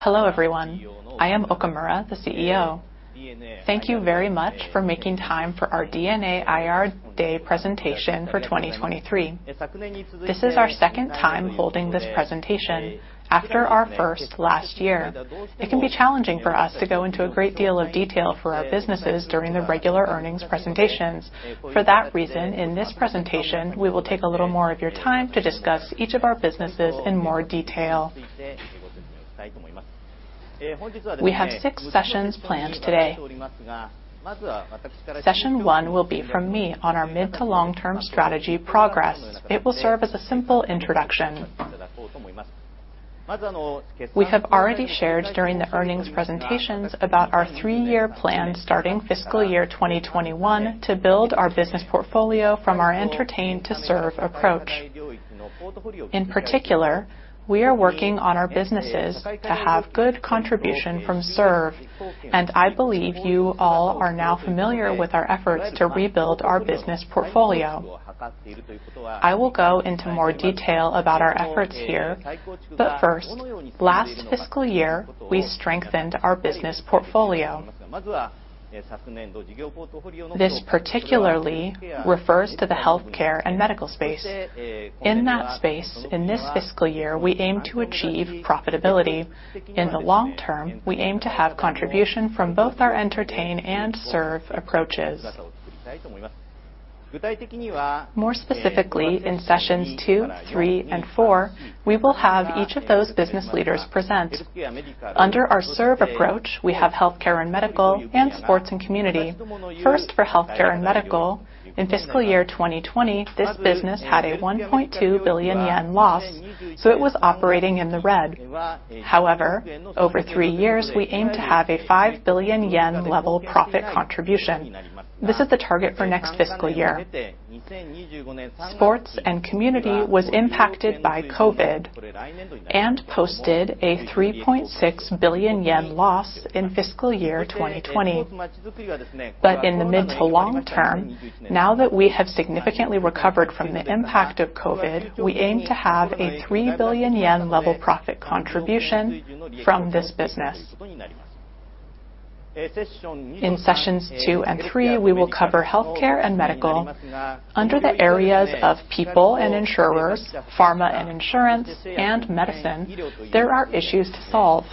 Hello, everyone. I am Okamura, the CEO. Thank you very much for making time for our DeNA IR Day presentation for 2023. This is our second time holding this presentation after our first last year. It can be challenging for us to go into a great deal of detail for our businesses during the regular earnings presentations. For that reason, in this presentation, we will take a little more of your time to discuss each of our businesses in more detail. We have 6 sessions planned today. Session One will be from me on our mid to long-term strategy progress. It will serve as a simple introduction. We have already shared during the earnings presentations about our three-year plan, starting fiscal year 2021, to build our business portfolio from our entertain to serve approach. In particular, we are working on our businesses to have good contribution from serve, and I believe you all are now familiar with our efforts to rebuild our business portfolio. I will go into more detail about our efforts here, but first, last fiscal year, we strengthened our business portfolio. This particularly refers to the healthcare and medical space. In that space, in this fiscal year, we aim to achieve profitability. In the long term, we aim to have contribution from both our entertain and serve approaches. More specifically, in Sessions Two, Three, and Four, we will have each of those business leaders present. Under our serve approach, we have healthcare and medical, and sports and community. First, for healthcare and medical, in fiscal year 2020, this business had a 1.2 billion yen loss, so it was operating in the red. However, over three years, we aim to have a 5 billion yen level profit contribution. This is the target for next fiscal year. Sports and community was impacted by COVID and posted a 3.6 billion yen loss in fiscal year 2020. But in the mid- to long-term, now that we have significantly recovered from the impact of COVID, we aim to have a 3 billion yen level profit contribution from this business. In Sessions 2 and 3, we will cover healthcare and medical. Under the areas of people and insurers, pharma and insurance, and medicine, there are issues to solve.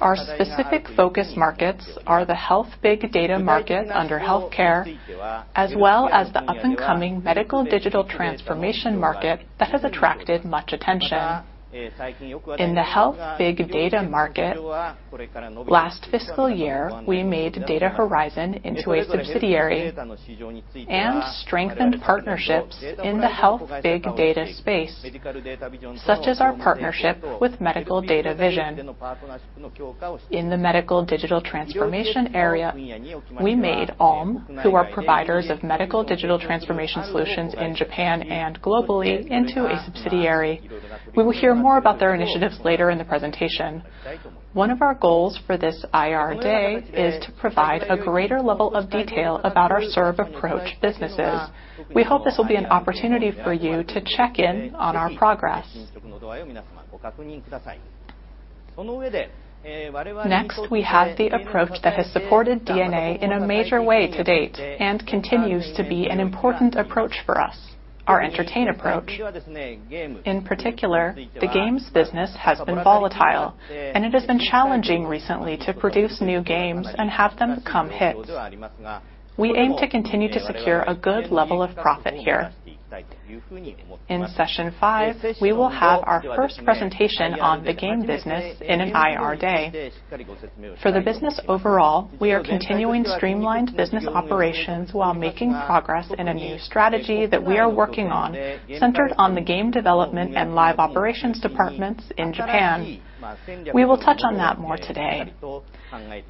Our specific focus markets are the health big data market under healthcare, as well as the up-and-coming medical digital transformation market that has attracted much attention. In the health big data market, last fiscal year, we made Data Horizon into a subsidiary and strengthened partnerships in the health big data space, such as our partnership with Medical Data Vision. In the medical digital transformation area, we made Allm, who are providers of medical digital transformation solutions in Japan and globally, into a subsidiary. We will hear more about their initiatives later in the presentation. One of our goals for this IR Day is to provide a greater level of detail about our service approach businesses. We hope this will be an opportunity for you to check in on our progress. Next, we have the approach that has supported DeNA in a major way to date and continues to be an important approach for us, our entertainment approach. In particular, the games business has been volatile, and it has been challenging recently to produce new games and have them become hits. We aim to continue to secure a good level of profit here. In Session Five, we will have our first presentation on the game business in an IR day. For the business overall, we are continuing streamlined business operations while making progress in a new strategy that we are working on, centered on the game development and live operations departments in Japan. We will touch on that more today.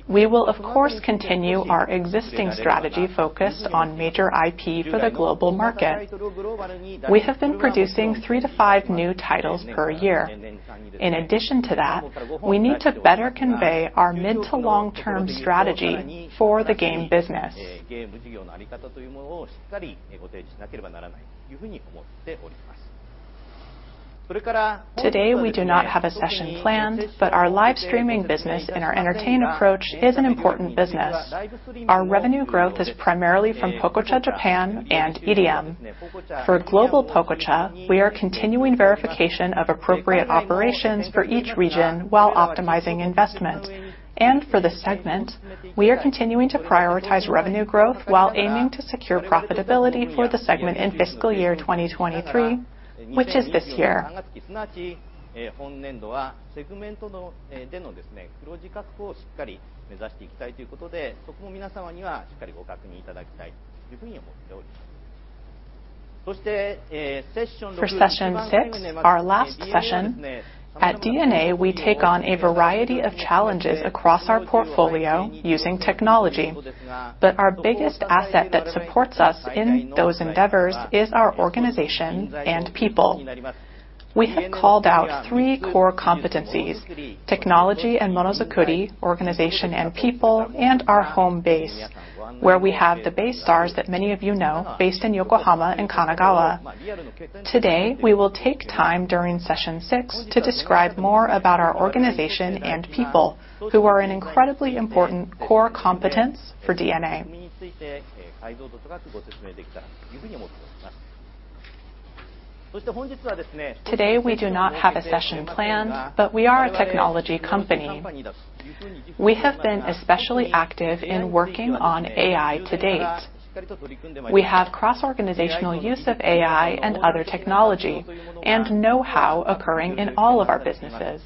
We will, of course, continue our existing strategy focused on major IP for the global market. We have been producing 3-5 new titles per year. In addition to that, we need to better convey our mid to long-term strategy for the game business. Today, we do not have a session planned, but our live streaming business and our entertain approach is an important business. Our revenue growth is primarily from Pococha Japan and IRIAM. For Global Pococha, we are continuing verification of appropriate operations for each region while optimizing investment. For this segment, we are continuing to prioritize revenue growth while aiming to secure profitability for the segment in fiscal year 2023, which is this year. For Session Six, our last session, at DeNA, we take on a variety of challenges across our portfolio using technology, but our biggest asset that supports us in those endeavors is our organization and people. We have called out three core competencies: technology and Monozukuri, organization and people, and our home base, where we have the BayStars that many of you know, based in Yokohama and Kanagawa. Today, we will take time during session six to describe more about our organization and people, who are an incredibly important core competence for DeNA. Today, we do not have a session planned, but we are a technology company. We have been especially active in working on AI to date. We have cross-organizational use of AI and other technology, and know-how occurring in all of our businesses.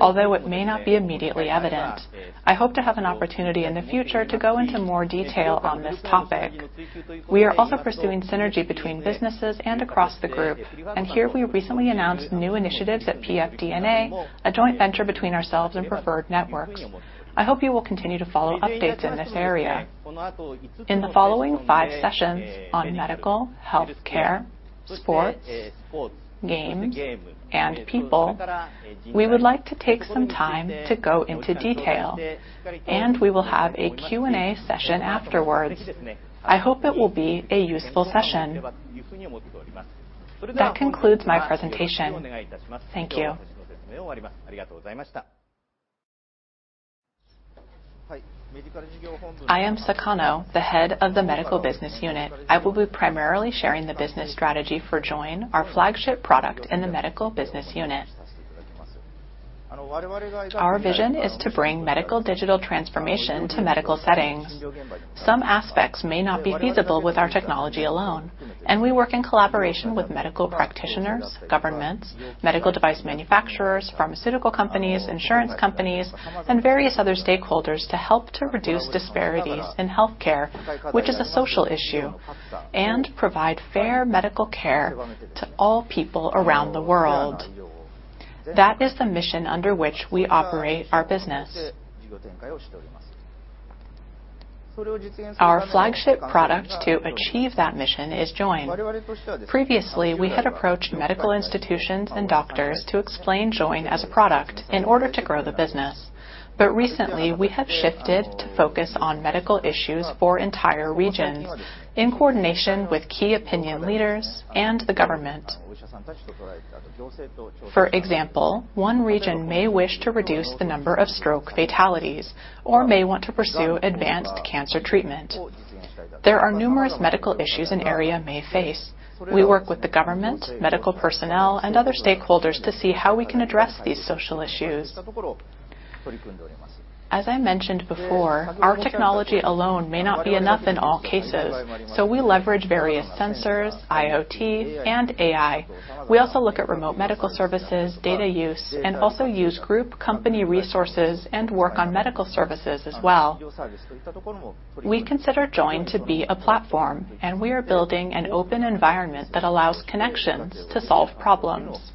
Although it may not be immediately evident, I hope to have an opportunity in the future to go into more detail on this topic. We are also pursuing synergy between businesses and across the group, and here we recently announced new initiatives at PFDeNA, a joint venture between ourselves and Preferred Networks. I hope you will continue to follow updates in this area. In the following five sessions on medical, healthcare, sports, games, and people, we would like to take some time to go into detail, and we will have a Q&A session afterwards. I hope it will be a useful session. That concludes my presentation. Thank you. I am Sakano, the head of the medical business unit. I will be primarily sharing the business strategy for Join, our flagship product in the medical business unit. Our vision is to bring medical digital transformation to medical settings. Some aspects may not be feasible with our technology alone, and we work in collaboration with medical practitioners, governments, medical device manufacturers, pharmaceutical companies, insurance companies, and various other stakeholders to help to reduce disparities in healthcare, which is a social issue, and provide fair medical care to all people around the world. That is the mission under which we operate our business. Our flagship product to achieve that mission is Join. Previously, we had approached medical institutions and doctors to explain Join as a product in order to grow the business. But recently, we have shifted to focus on medical issues for entire regions in coordination with key opinion leaders and the government. For example, one region may wish to reduce the number of stroke fatalities or may want to pursue advanced cancer treatment. There are numerous medical issues an area may face. We work with the government, medical personnel, and other stakeholders to see how we can address these social issues. As I mentioned before, our technology alone may not be enough in all cases, so we leverage various sensors, IoT, and AI. We also look at remote medical services, data use, and also use group company resources and work on medical services as well. We consider Join to be a platform, and we are building an open environment that allows connections to solve problems.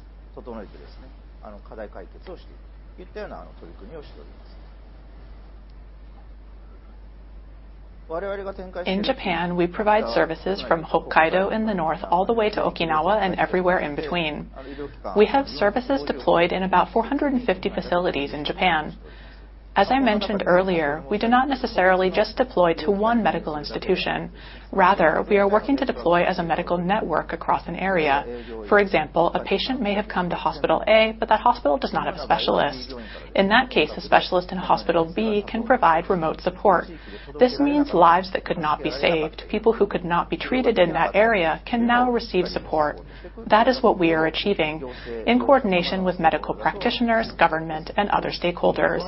In Japan, we provide services from Hokkaido in the north all the way to Okinawa and everywhere in between. We have services deployed in about 450 facilities in Japan. As I mentioned earlier, we do not necessarily just deploy to one medical institution. Rather, we are working to deploy as a medical network across an area. For example, a patient may have come to hospital A, but that hospital does not have a specialist. In that case, a specialist in hospital B can provide remote support. This means lives that could not be saved, people who could not be treated in that area, can now receive support. That is what we are achieving in coordination with medical practitioners, government, and other stakeholders.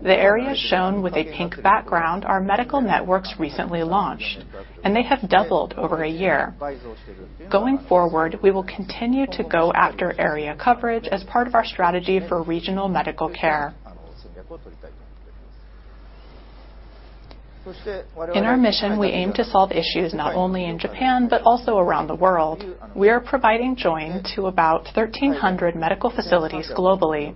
The areas shown with a pink background are medical networks recently launched, and they have doubled over a year. Going forward, we will continue to go after area coverage as part of our strategy for regional medical care. In our mission, we aim to solve issues not only in Japan, but also around the world. We are providing Join to about 1,300 medical facilities globally.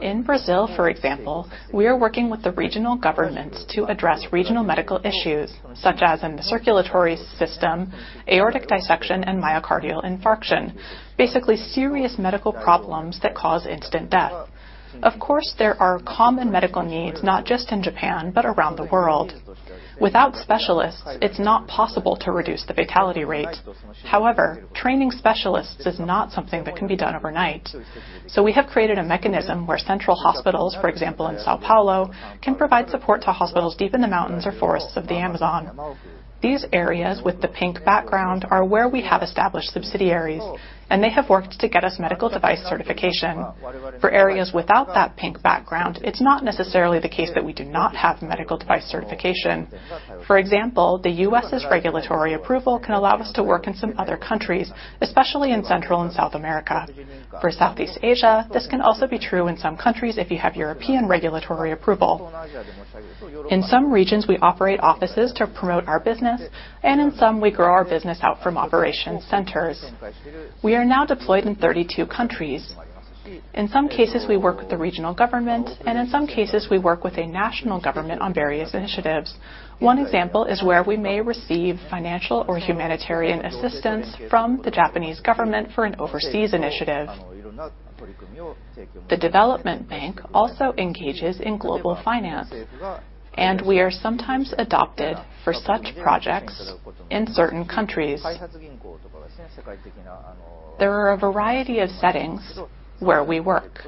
In Brazil, for example, we are working with the regional government to address regional medical issues, such as in the circulatory system, aortic dissection, and myocardial infarction. Basically, serious medical problems that cause instant death. Of course, there are common medical needs, not just in Japan, but around the world. Without specialists, it's not possible to reduce the fatality rate. However, training specialists is not something that can be done overnight. So we have created a mechanism where central hospitals, for example, in São Paulo, can provide support to hospitals deep in the mountains or forests of the Amazon. These areas with the pink background are where we have established subsidiaries, and they have worked to get us medical device certification. For areas without that pink background, it's not necessarily the case that we do not have medical device certification. For example, the U.S.'s regulatory approval can allow us to work in some other countries, especially in Central and South America. For Southeast Asia, this can also be true in some countries, if you have European regulatory approval. In some regions, we operate offices to promote our business, and in some, we grow our business out from operation centers. We are now deployed in 32 countries. In some cases, we work with the regional government, and in some cases, we work with a national government on various initiatives. One example is where we may receive financial or humanitarian assistance from the Japanese government for an overseas initiative. The development bank also engages in global finance, and we are sometimes adopted for such projects in certain countries. There are a variety of settings where we work.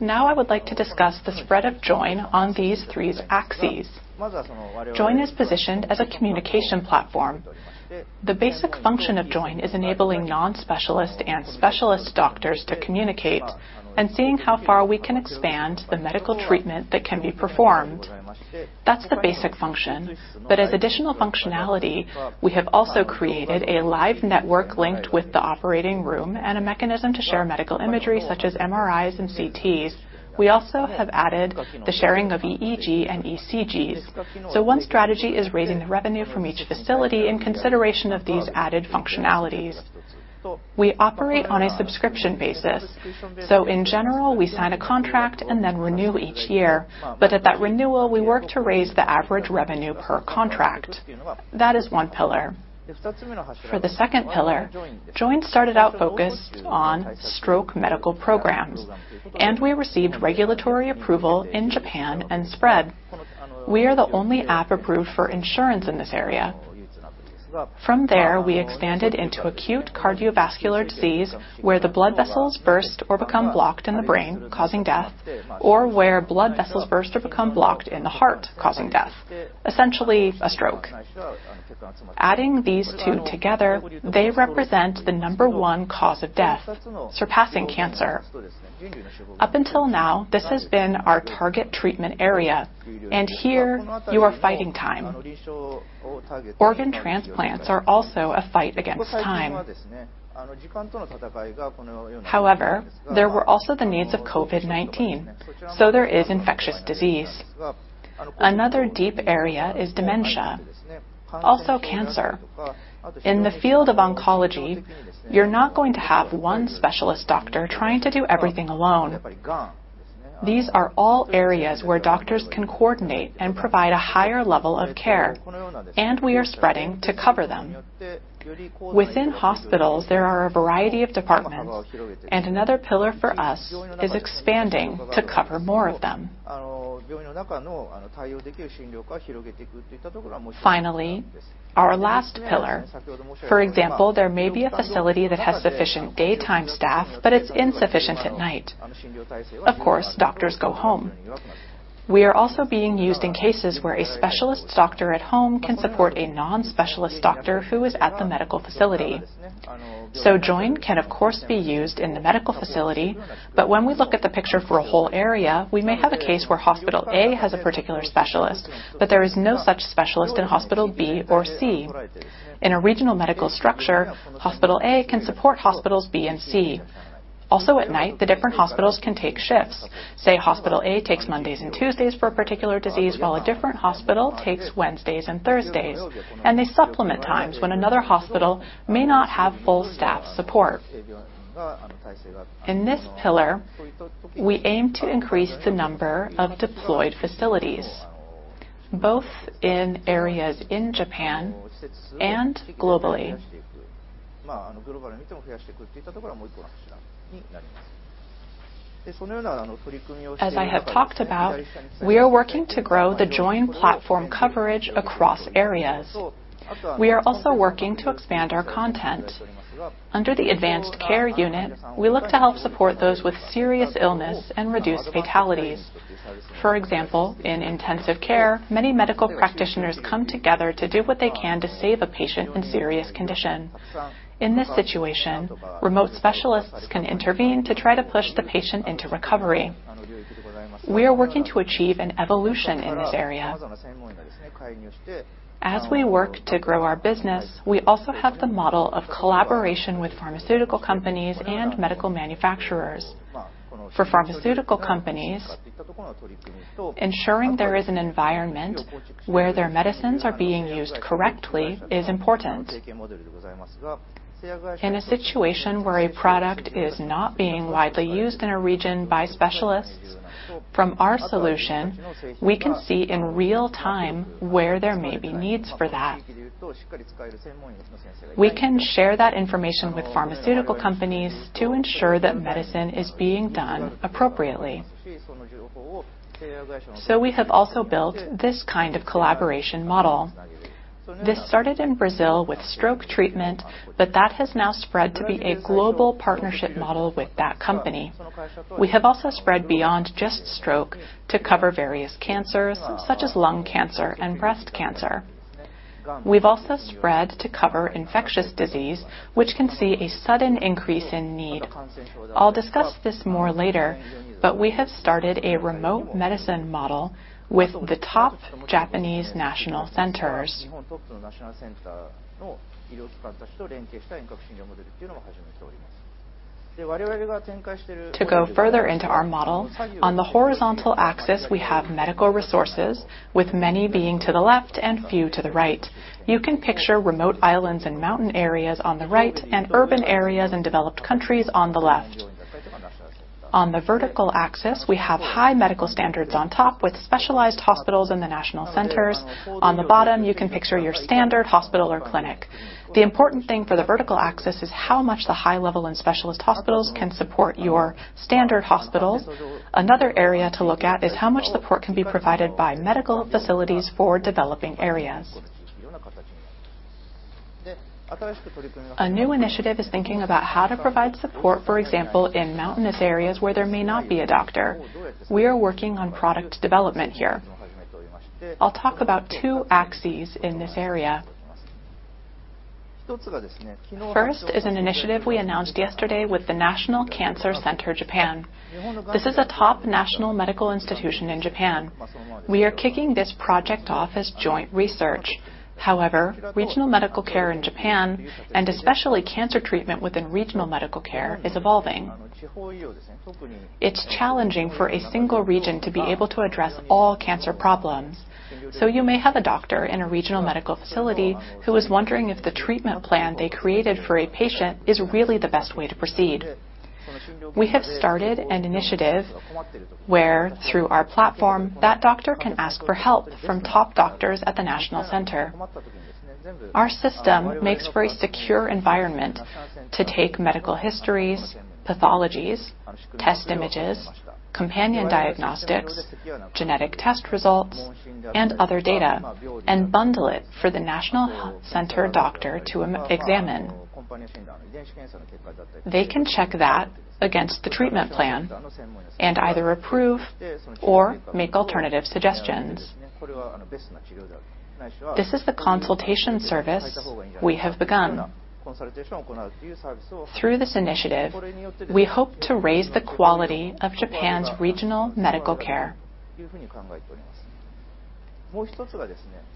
Now, I would like to discuss the spread of Join on these three axes. Join is positioned as a communication platform. The basic function of Join is enabling non-specialist and specialist doctors to communicate and seeing how far we can expand the medical treatment that can be performed. That's the basic function. But as additional functionality, we have also created a live network linked with the operating room and a mechanism to share medical imagery such as MRIs and CTs. We also have added the sharing of EEG and ECGs. So one strategy is raising the revenue from each facility in consideration of these added functionalities. We operate on a subscription basis. So in general, we sign a contract and then renew each year. But at that renewal, we work to raise the average revenue per contract. That is one pillar. For the second pillar, Join started out focused on stroke medical programs, and we received regulatory approval in Japan and spread. We are the only app approved for insurance in this area. From there, we expanded into acute cardiovascular disease, where the blood vessels burst or become blocked in the brain, causing death, or where blood vessels burst or become blocked in the heart, causing death. Essentially, a stroke. Adding these two together, they represent the number one cause of death, surpassing cancer. Up until now, this has been our target treatment area, and here you are fighting time. Organ transplants are also a fight against time. However, there were also the needs of COVID-19, so there is infectious disease. Another deep area is dementia, also cancer. In the field of oncology, you're not going to have one specialist doctor trying to do everything alone. These are all areas where doctors can coordinate and provide a higher level of care, and we are spreading to cover them. Within hospitals, there are a variety of departments, and another pillar for us is expanding to cover more of them. Finally, our last pillar. For example, there may be a facility that has sufficient daytime staff, but it's insufficient at night. Of course, doctors go home. We are also being used in cases where a specialist doctor at home can support a non-specialist doctor who is at the medical facility. Join can, of course, be used in the medical facility, but when we look at the picture for a whole area, we may have a case where hospital A has a particular specialist, but there is no such specialist in hospital B or C. In a regional medical structure, hospital A can support hospitals B and C. Also, at night, the different hospitals can take shifts. Say, hospital A takes Mondays and Tuesdays for a particular disease, while a different hospital takes Wednesdays and Thursdays, and they supplement times when another hospital may not have full staff support. In this pillar, we aim to increase the number of deployed facilities, both in areas in Japan and globally. As I have talked about, we are working to grow the Join platform coverage across areas. We are also working to expand our content. Under the advanced care unit, we look to help support those with serious illness and reduce fatalities. For example, in intensive care, many medical practitioners come together to do what they can to save a patient in serious condition. In this situation, remote specialists can intervene to try to push the patient into recovery. We are working to achieve an evolution in this area. As we work to grow our business, we also have the model of collaboration with pharmaceutical companies and medical manufacturers. For pharmaceutical companies, ensuring there is an environment where their medicines are being used correctly is important. In a situation where a product is not being widely used in a region by specialists, from our solution, we can see in real time where there may be needs for that. We can share that information with pharmaceutical companies to ensure that medicine is being done appropriately. We have also built this kind of collaboration model. This started in Brazil with stroke treatment, but that has now spread to be a global partnership model with that company. We have also spread beyond just stroke to cover various cancers, such as lung cancer and breast cancer. We've also spread to cover infectious disease, which can see a sudden increase in need. I'll discuss this more later, but we have started a remote medicine model with the top Japanese national centers. To go further into our model, on the horizontal axis, we have medical resources, with many being to the left and few to the right. You can picture remote islands and mountain areas on the right and urban areas in developed countries on the left. On the vertical axis, we have high medical standards on top, with specialized hospitals in the national centers. On the bottom, you can picture your standard hospital or clinic. The important thing for the vertical axis is how much the high-level and specialist hospitals can support your standard hospitals. Another area to look at is how much support can be provided by medical facilities for developing areas. A new initiative is thinking about how to provide support, for example, in mountainous areas where there may not be a doctor. We are working on product development here. I'll talk about two axes in this area. First is an initiative we announced yesterday with the National Cancer Center, Japan. This is a top national medical institution in Japan. We are kicking this project off as joint research. However, regional medical care in Japan, and especially cancer treatment within regional medical care, is evolving. It's challenging for a single region to be able to address all cancer problems, so you may have a doctor in a regional medical facility who is wondering if the treatment plan they created for a patient is really the best way to proceed. We have started an initiative where, through our platform, that doctor can ask for help from top doctors at the national center. Our system makes for a secure environment to take medical histories, pathologies, test images, companion diagnostics, genetic test results, and other data, and bundle it for the National Cancer Center doctor to examine. They can check that against the treatment plan and either approve or make alternative suggestions. This is the consultation service we have begun. Through this initiative, we hope to raise the quality of Japan's regional medical care.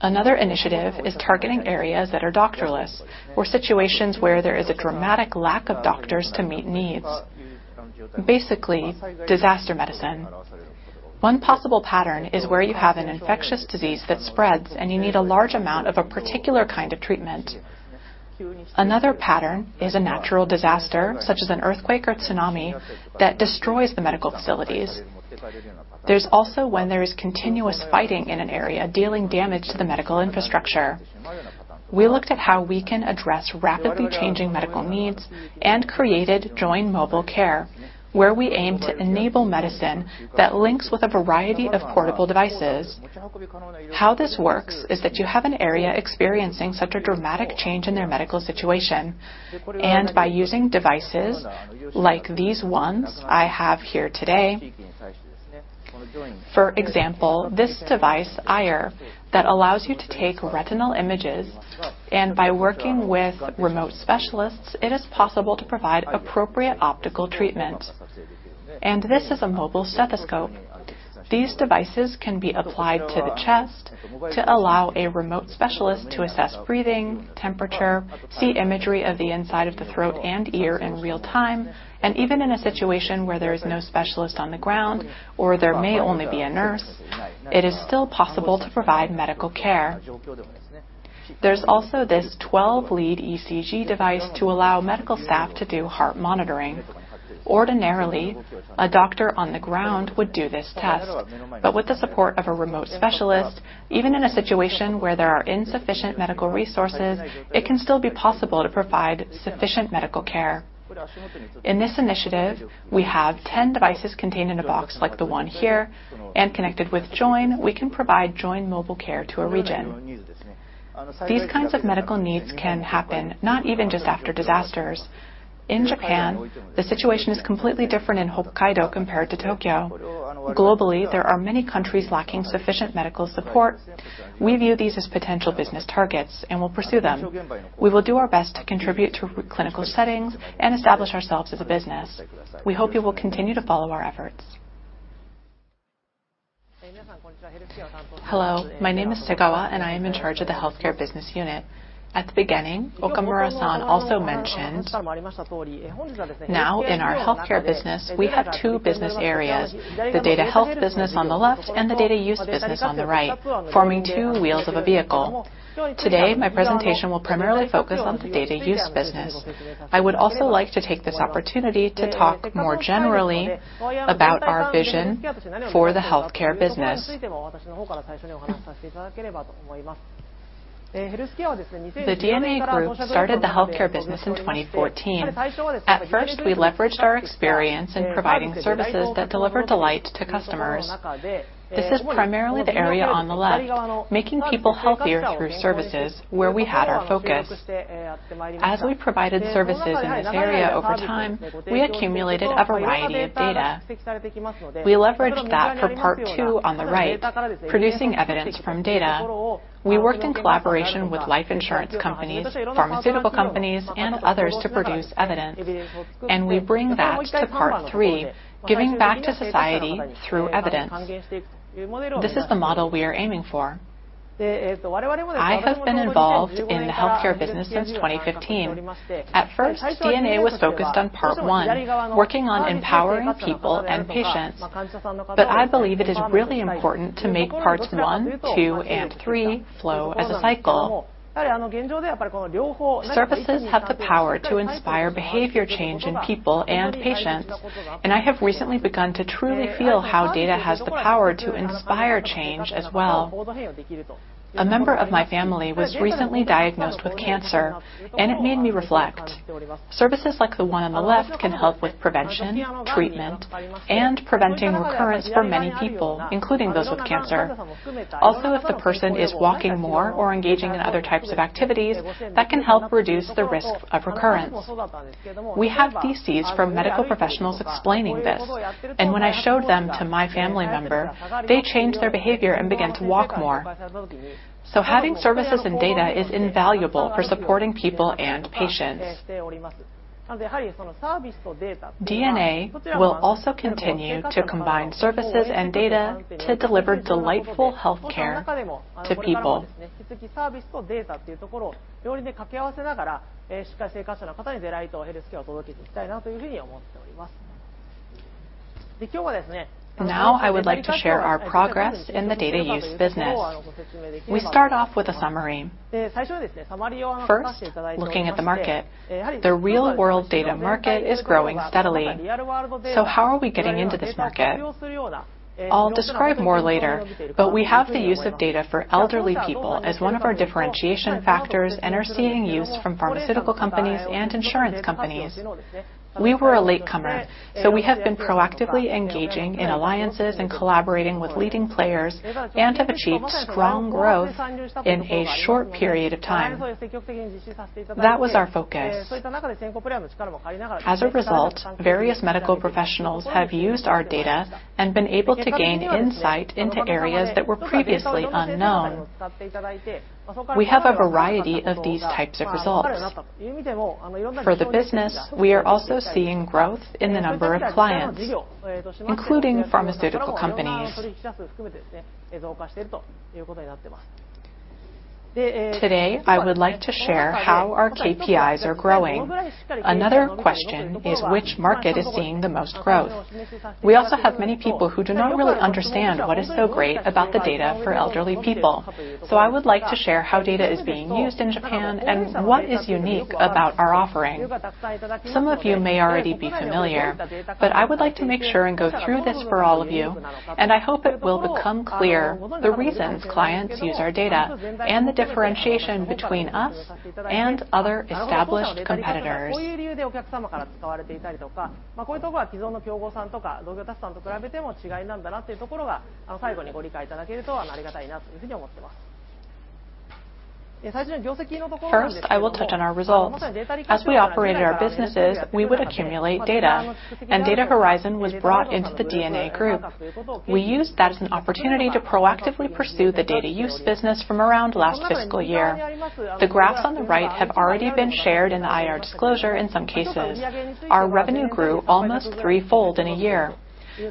Another initiative is targeting areas that are doctorless or situations where there is a dramatic lack of doctors to meet needs. Basically, disaster medicine. One possible pattern is where you have an infectious disease that spreads, and you need a large amount of a particular kind of treatment. Another pattern is a natural disaster, such as an earthquake or tsunami, that destroys the medical facilities. There's also when there is continuous fighting in an area, dealing damage to the medical infrastructure. We looked at how we can address rapidly changing medical needs and created Join Mobile Care, where we aim to enable medicine that links with a variety of portable devices. How this works is that you have an area experiencing such a dramatic change in their medical situation, and by using devices like these ones I have here today. For example, this device, Eyer that allows you to take retinal images, and by working with remote specialists, it is possible to provide appropriate optical treatment. And this is a mobile stethoscope. These devices can be applied to the chest to allow a remote specialist to assess breathing, temperature, see imagery of the inside of the throat and ear in real time, and even in a situation where there is no specialist on the ground or there may only be a nurse, it is still possible to provide medical care. There's also this 12-lead ECG device to allow medical staff to do heart monitoring. Ordinarily, a doctor on the ground would do this test, but with the support of a remote specialist, even in a situation where there are insufficient medical resources, it can still be possible to provide sufficient medical care. In this initiative, we have 10 devices contained in a box like the one here, and connected with Join, we can provide Join Mobile Care to a region. These kinds of medical needs can happen, not even just after disasters. In Japan, the situation is completely different in Hokkaido compared to Tokyo. Globally, there are many countries lacking sufficient medical support. We view these as potential business targets and will pursue them. We will do our best to contribute to clinical settings and establish ourselves as a business. We hope you will continue to follow our efforts. Hello, my name is Segawa, and I am in charge of the healthcare business unit. At the beginning, Okamura-san also mentioned, now in our healthcare business, we have two business areas: the data health business on the left and the data use business on the right, forming two wheels of a vehicle. Today, my presentation will primarily focus on the data use business. I would also like to take this opportunity to talk more generally about our vision for the healthcare business. The DeNA group started the healthcare business in 2014. At first, we leveraged our experience in providing services that delivered delight to customers. This is primarily the area on the left, making people healthier through services where we had our focus. As we provided services in this area over time, we accumulated a variety of data. We leveraged that for part 2 on the right, producing evidence from data. We worked in collaboration with life insurance companies, pharmaceutical companies, and others to produce evidence, and we bring that to part three, giving back to society through evidence. This is the model we are aiming for. I have been involved in the healthcare business since 2015. At first, DeNA was focused on part one, working on empowering people and patients. But I believe it is really important to make parts one, two, and three flow as a cycle. Services have the power to inspire behavior change in people and patients, and I have recently begun to truly feel how data has the power to inspire change as well. A member of my family was recently diagnosed with cancer, and it made me reflect. Services like the one on the left can help with prevention, treatment, and preventing recurrence for many people, including those with cancer. Also, if the person is walking more or engaging in other types of activities, that can help reduce the risk of recurrence. We have these from medical professionals explaining this, and when I showed them to my family member, they changed their behavior and began to walk more. So having services and data is invaluable for supporting people and patients. So, yahari, sono sābisu to dēta. DeNA will also continue to combine services and data to deliver delightful healthcare to people. の中でも、これからもですね、引き続きサービスとデータっていうところを両輪で掛け合わせながら、しっかり生活者の方にdelight health careを届けていきたいなというふうに思っております。で、今日はですね。Now, I would like to share our progress in the data use business. We start off with a summary.最初はですね、サマリーを話させていただいております。First, looking at the market, the real-world data market is growing steadily. How are we getting into this market? I'll describe more later, but we have the use of data for elderly people as one of our differentiation factors and are seeing use from pharmaceutical companies and insurance companies. We were a latecomer, so we have been proactively engaging in alliances and collaborating with leading players and have achieved strong growth in a short period of time. That was our focus. As a result, various medical professionals have used our data and been able to gain insight into areas that were previously unknown. We have a variety of these types of results. For the business, we are also seeing growth in the number of clients, including pharmaceutical companies. Today, I would like to share how our KPIs are growing. Another question is which market is seeing the most growth? We also have many people who do not really understand what is so great about the data for elderly people. So I would like to share how data is being used in Japan and what is unique about our offering. Some of you may already be familiar, but I would like to make sure and go through this for all of you, and I hope it will become clear the reasons clients use our data and the differentiation between us and other established competitors. こういう理由でお客様から使われていたりとか、こういうところは既存の競合さんとか同業他社さんと比べても違なんだなというところが、最後にご理解いただけると、ありがたいなというふうに思ってます。最初に業績のところ。First, I will touch on our results. As we operated our businesses, we would accumulate data, and Data Horizon was brought into the DeNA group. We used that as an opportunity to proactively pursue the data use business from around last fiscal year. The graphs on the right have already been shared in the IR disclosure in some cases. Our revenue grew almost threefold in a year.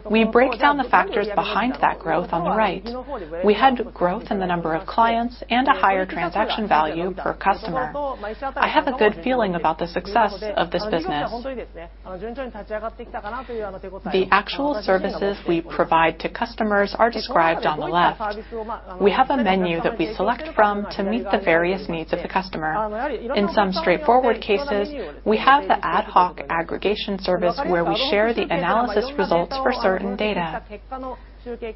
We break down the factors behind that growth on the right. We had growth in the number of clients and a higher transaction value per customer. I have a good feeling about the success of this business. The actual services we provide to customers are described on the left. We have a menu that we select from to meet the various needs of the customer. In some straightforward cases, we have the ad hoc aggregation service, where we share the analysis results for certain data.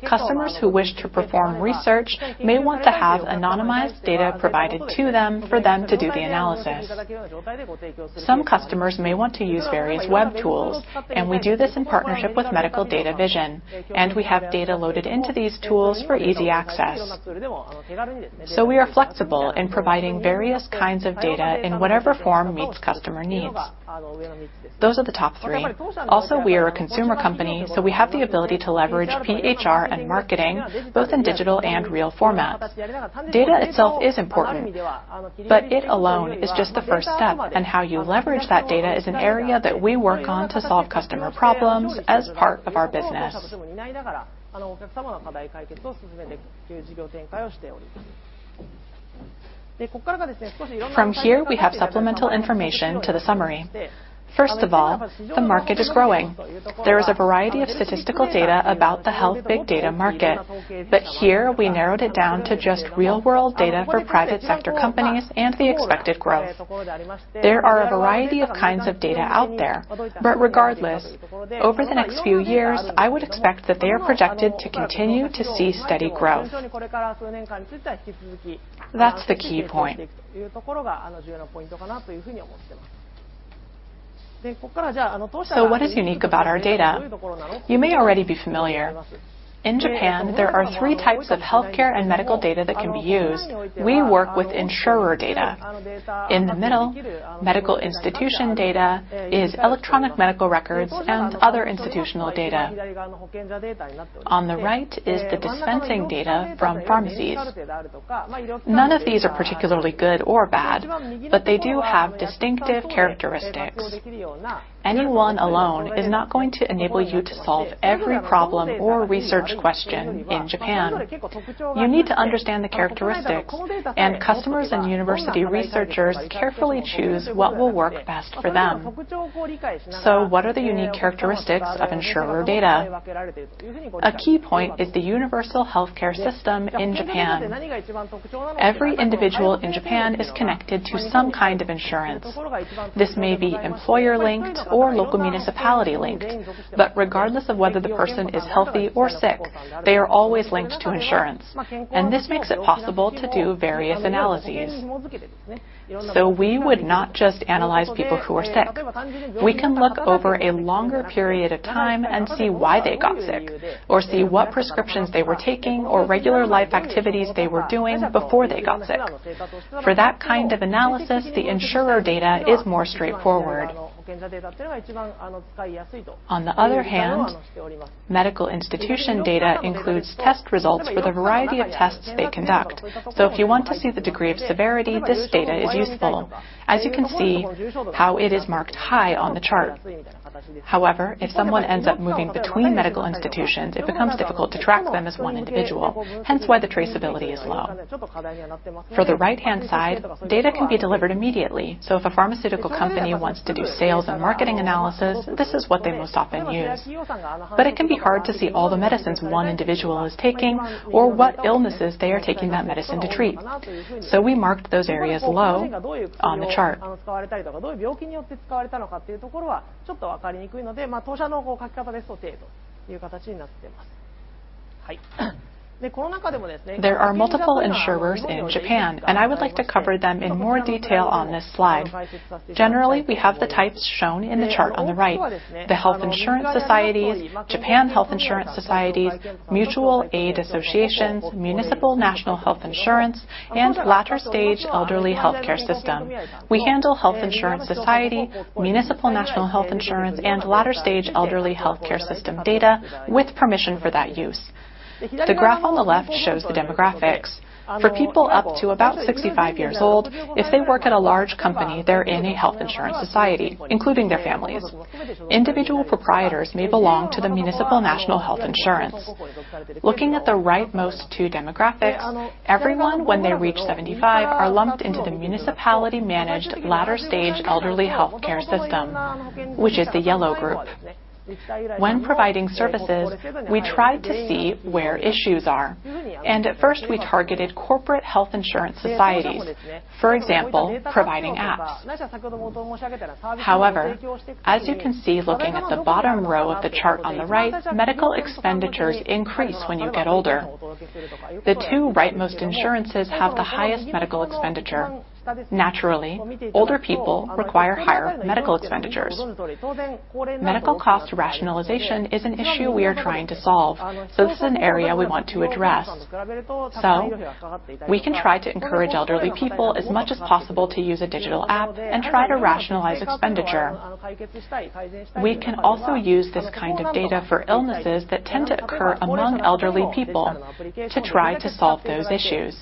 Customers who wish to perform research may want to have anonymized data provided to them for them to do the analysis. Some customers may want to use various web tools, and we do this in partnership with Medical Data Vision, and we have data loaded into these tools for easy access. So we are flexible in providing various kinds of data in whatever form meets customer needs. Those are the top three. Also, we are a consumer company, so we have the ability to leverage PHR and marketing both in digital and real formats. Data itself is important, but it alone is just the first step, and how you leverage that data is an area that we work on to solve customer problems as part of our business. From here, we have supplemental information to the summary. First of all, the market is growing. There is a variety of statistical data about the health big data market, but here we narrowed it down to just real-world data for private sector companies and the expected growth. There are a variety of kinds of data out there, but regardless, over the next few years, I would expect that they are projected to continue to see steady growth. That's the key point. So what is unique about our data? You may already be familiar. In Japan, there are three types of healthcare and medical data that can be used. We work with insurer data. In the middle, medical institution data is electronic medical records and other institutional data. On the right is the dispensing data from pharmacies. None of these are particularly good or bad, but they do have distinctive characteristics. Any one alone is not going to enable you to solve every problem or research question in Japan. You need to understand the characteristics, and customers and university researchers carefully choose what will work best for them. What are the unique characteristics of insurer data? A key point is the universal healthcare system in Japan. Every individual in Japan is connected to some kind of insurance. This may be employer-linked or local municipality-linked, but regardless of whether the person is healthy or sick, they are always linked to insurance, and this makes it possible to do various analyses. We would not just analyze people who are sick. We can look over a longer period of time and see why they got sick, or see what prescriptions they were taking, or regular life activities they were doing before they got sick. For that kind of analysis, the insurer data is more straightforward. On the other hand, medical institution data includes test results for the variety of tests they conduct. So if you want to see the degree of severity, this data is useful. As you can see how it is marked high on the chart. However, if someone ends up moving between medical institutions, it becomes difficult to track them as one individual, hence why the traceability is low. For the right-hand side, data can be delivered immediately. So if a pharmaceutical company wants to do sales and marketing analysis, this is what they most often use. But it can be hard to see all the medicines one individual is taking or what illnesses they are taking that medicine to treat. So we marked those areas low on the chart. There are multiple insurers in Japan, and I would like to cover them in more detail on this slide. Generally, we have the types shown in the chart on the right. The health insurance societies, Japan's health insurance societies, mutual aid associations, municipal national health insurance, and latter-stage elderly healthcare system. We handle health insurance society, municipal national health insurance, and latter-stage elderly healthcare system data with permission for that use. The graph on the left shows the demographics. For people up to about 65 years old, if they work at a large company, they're in a health insurance society, including their families. Individual proprietors may belong to the municipal national health insurance. Looking at the right-most two demographics, everyone, when they reach 75, are lumped into the municipality-managed latter-stage elderly health care system, which is the yellow group. When providing services, we try to see where issues are, and at first, we targeted corporate health insurance societies, for example, providing apps. However, as you can see, looking at the bottom row of the chart on the right, medical expenditures increase when you get older. The two right-most insurances have the highest medical expenditure. Naturally, older people require higher medical expenditures. Medical cost rationalization is an issue we are trying to solve, so this is an area we want to address. So we can try to encourage elderly people as much as possible to use a digital app and try to rationalize expenditure. We can also use this kind of data for illnesses that tend to occur among elderly people to try to solve those issues.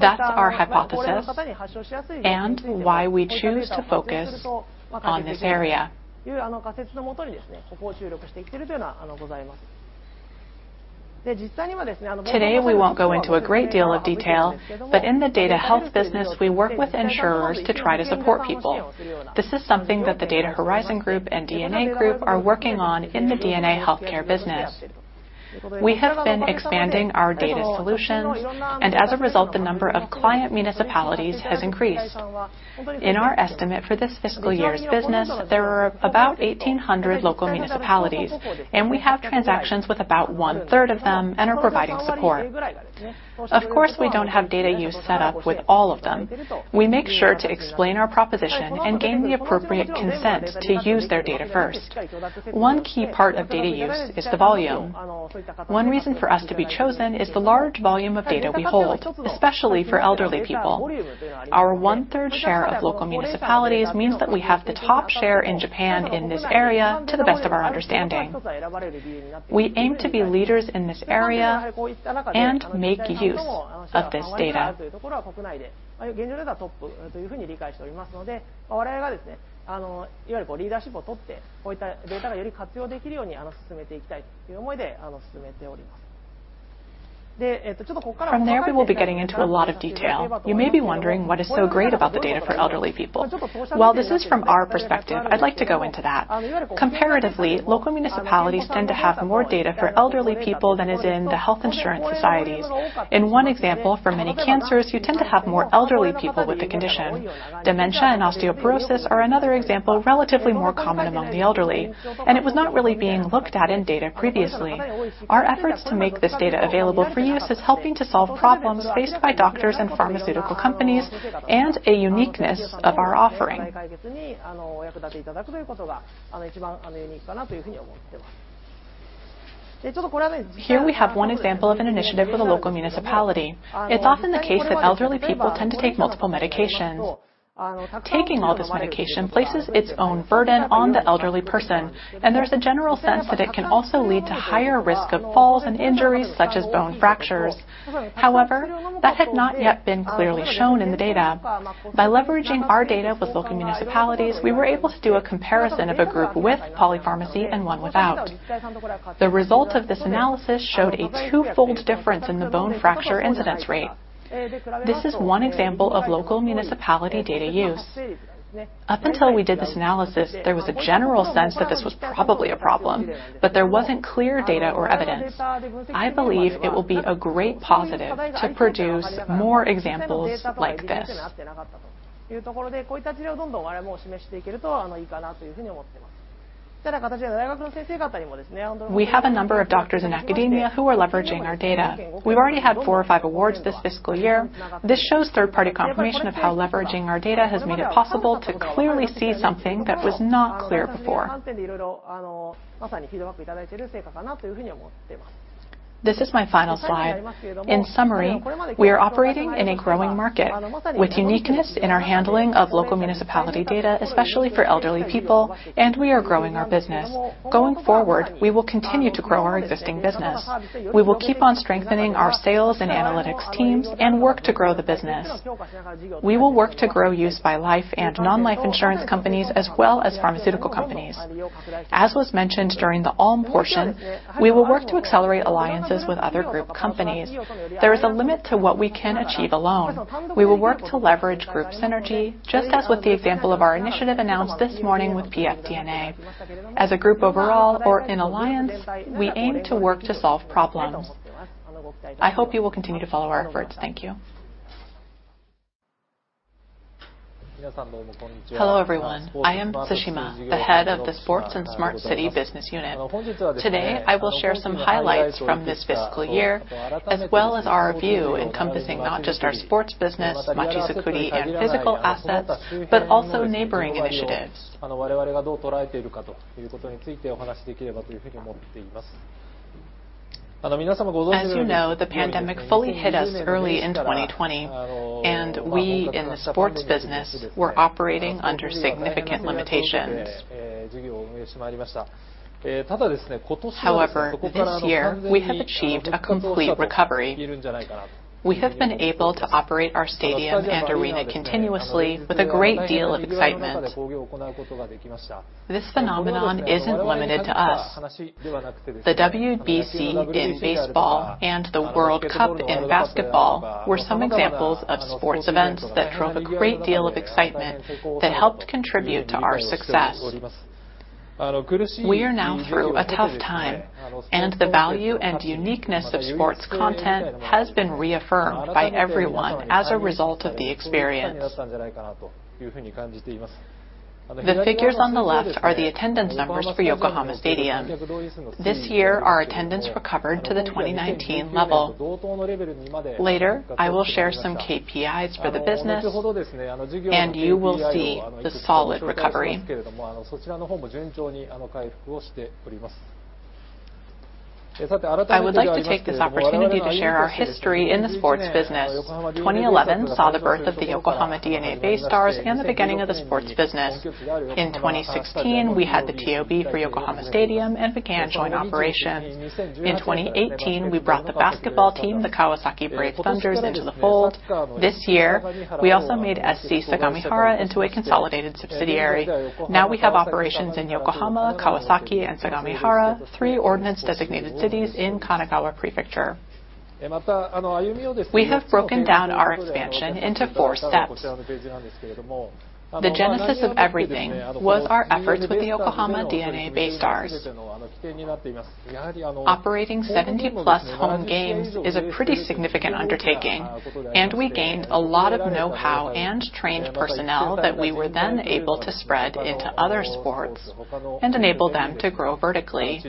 That's our hypothesis and why we choose to focus on this area. Today, we won't go into a great deal of detail, but in the data health business, we work with insurers to try to support people. This is something that the Data Horizon Group and DeNA Group are working on in the DeNA Healthcare business. We have been expanding our data solutions, and as a result, the number of client municipalities has increased. In our estimate for this fiscal year's business, there are about 1,800 local municipalities, and we have transactions with about one-third of them and are providing support. Of course, we don't have data use set up with all of them. We make sure to explain our proposition and gain the appropriate consent to use their data first. One key part of data use is the volume. One reason for us to be chosen is the large volume of data we hold, especially for elderly people. Our 1/3 share of local municipalities means that we have the top share in Japan in this area, to the best of our understanding. We aim to be leaders in this area and make use of this data. From there, we will be getting into a lot of detail. You may be wondering what is so great about the data for elderly people. While this is from our perspective, I'd like to go into that. Comparatively, local municipalities tend to have more data for elderly people than is in the health insurance societies. In one example, for many cancers, you tend to have more elderly people with the condition. Dementia and osteoporosis are another example, relatively more common among the elderly, and it was not really being looked at in data previously. Our efforts to make this data available for use is helping to solve problems faced by doctors and pharmaceutical companies, and a uniqueness of our offering. Here we have one example of an initiative with a local municipality. It's often the case that elderly people tend to take multiple medications. Taking all this medication places its own burden on the elderly person, and there's a general sense that it can also lead to higher risk of falls and injuries, such as bone fractures. However, that had not yet been clearly shown in the data. By leveraging our data with local municipalities, we were able to do a comparison of a group with polypharmacy and one without. The result of this analysis showed a twofold difference in the bone fracture incidence rate. This is one example of local municipality data use. Up until we did this analysis, there was a general sense that this was probably a problem, but there wasn't clear data or evidence. I believe it will be a great positive to produce more examples like this. We have a number of doctors in academia who are leveraging our data. We've already had 4 or 5 awards this fiscal year. This shows third-party confirmation of how leveraging our data has made it possible to clearly see something that was not clear before. This is my final slide. In summary, we are operating in a growing market with uniqueness in our handling of local municipality data, especially for elderly people, and we are growing our business. Going forward, we will continue to grow our existing business. We will keep on strengthening our sales and analytics teams and work to grow the business. We will work to grow use by life and non-life insurance companies, as well as pharmaceutical companies. As was mentioned during the Allm portion, we will work to accelerate alliances with other group companies. There is a limit to what we can achieve alone. We will work to leverage group synergy, just as with the example of our initiative announced this morning with PFDeNA. As a group overall or in alliance, we aim to work to solve problems. I hope you will continue to follow our efforts. Thank you. Hello, everyone. I am Tsushima, the head of the Sports and Smart City Business Unit. Today, I will share some highlights from this fiscal year, as well as our view encompassing not just our sports business, Machi-zukuri, and physical assets, but also neighboring initiatives. As you know, the pandemic fully hit us early in 2020, and we in the sports business were operating under significant limitations. However, this year, we have achieved a complete recovery. We have been able to operate our stadium and arena continuously with a great deal of excitement. This phenomenon isn't limited to us. The WBC in baseball and the World Cup in basketball were some examples of sports events that drove a great deal of excitement that helped contribute to our success. We are now through a tough time, and the value and uniqueness of sports content has been reaffirmed by everyone as a result of the experience. The figures on the left are the attendance numbers for Yokohama Stadium. This year, our attendance recovered to the 2019 level. Later, I will share some KPIs for the business, and you will see the solid recovery. I would like to take this opportunity to share our history in the sports business. 2011 saw the birth of the Yokohama DeNA BayStars and the beginning of the sports business. In 2016, we had the TOB for Yokohama Stadium and began joint operations. In 2018, we brought the basketball team, the Kawasaki Brave Thunders, into the fold. This year, we also made SC Sagamihara into a consolidated subsidiary. Now we have operations in Yokohama, Kawasaki, and Sagamihara, three ordinance-designated cities in Kanagawa Prefecture. We have broken down our expansion into four steps. The genesis of everything was our efforts with the Yokohama DeNA BayStars. Operating 70+ home games is a pretty significant undertaking, and we gained a lot of know-how and trained personnel that we were then able to spread into other sports and enable them to grow vertically.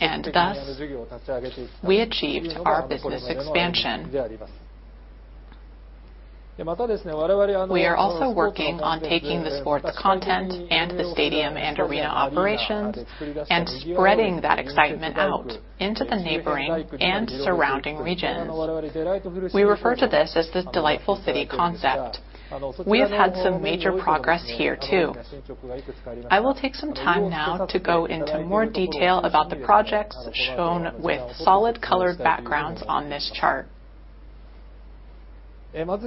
And thus, we achieved our business expansion. We are also working on taking the sports content and the stadium and arena operations, and spreading that excitement out into the neighboring and surrounding regions. We refer to this as the Delightful City concept. We've had some major progress here, too. I will take some time now to go into more detail about the projects shown with solid-colored backgrounds on this chart. But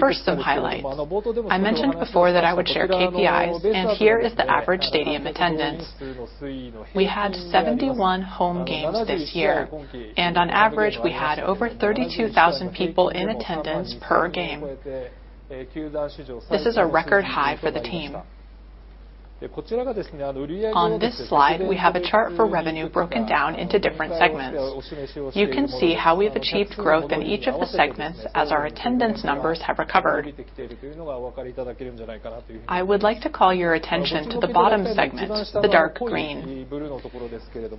first, some highlights. I mentioned before that I would share KPIs, and here is the average stadium attendance. We had 71 home games this year, and on average, we had over 32,000 people in attendance per game. This is a record high for the team. On this slide, we have a chart for revenue broken down into different segments. You can see how we've achieved growth in each of the segments as our attendance numbers have recovered. I would like to call your attention to the bottom segment, the dark green.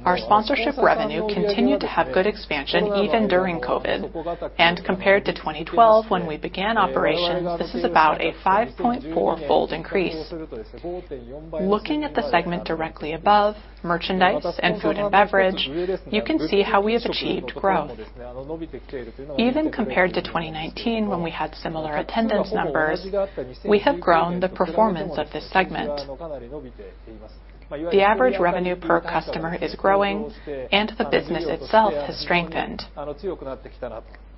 Our sponsorship revenue continued to have good expansion, even during COVID, and compared to 2012, when we began operations, this is about a 5.4-fold increase. Looking at the segment directly above, merchandise and food & beverage, you can see how we have achieved growth. Even compared to 2019, when we had similar attendance numbers, we have grown the performance of this segment. The average revenue per customer is growing, and the business itself has strengthened.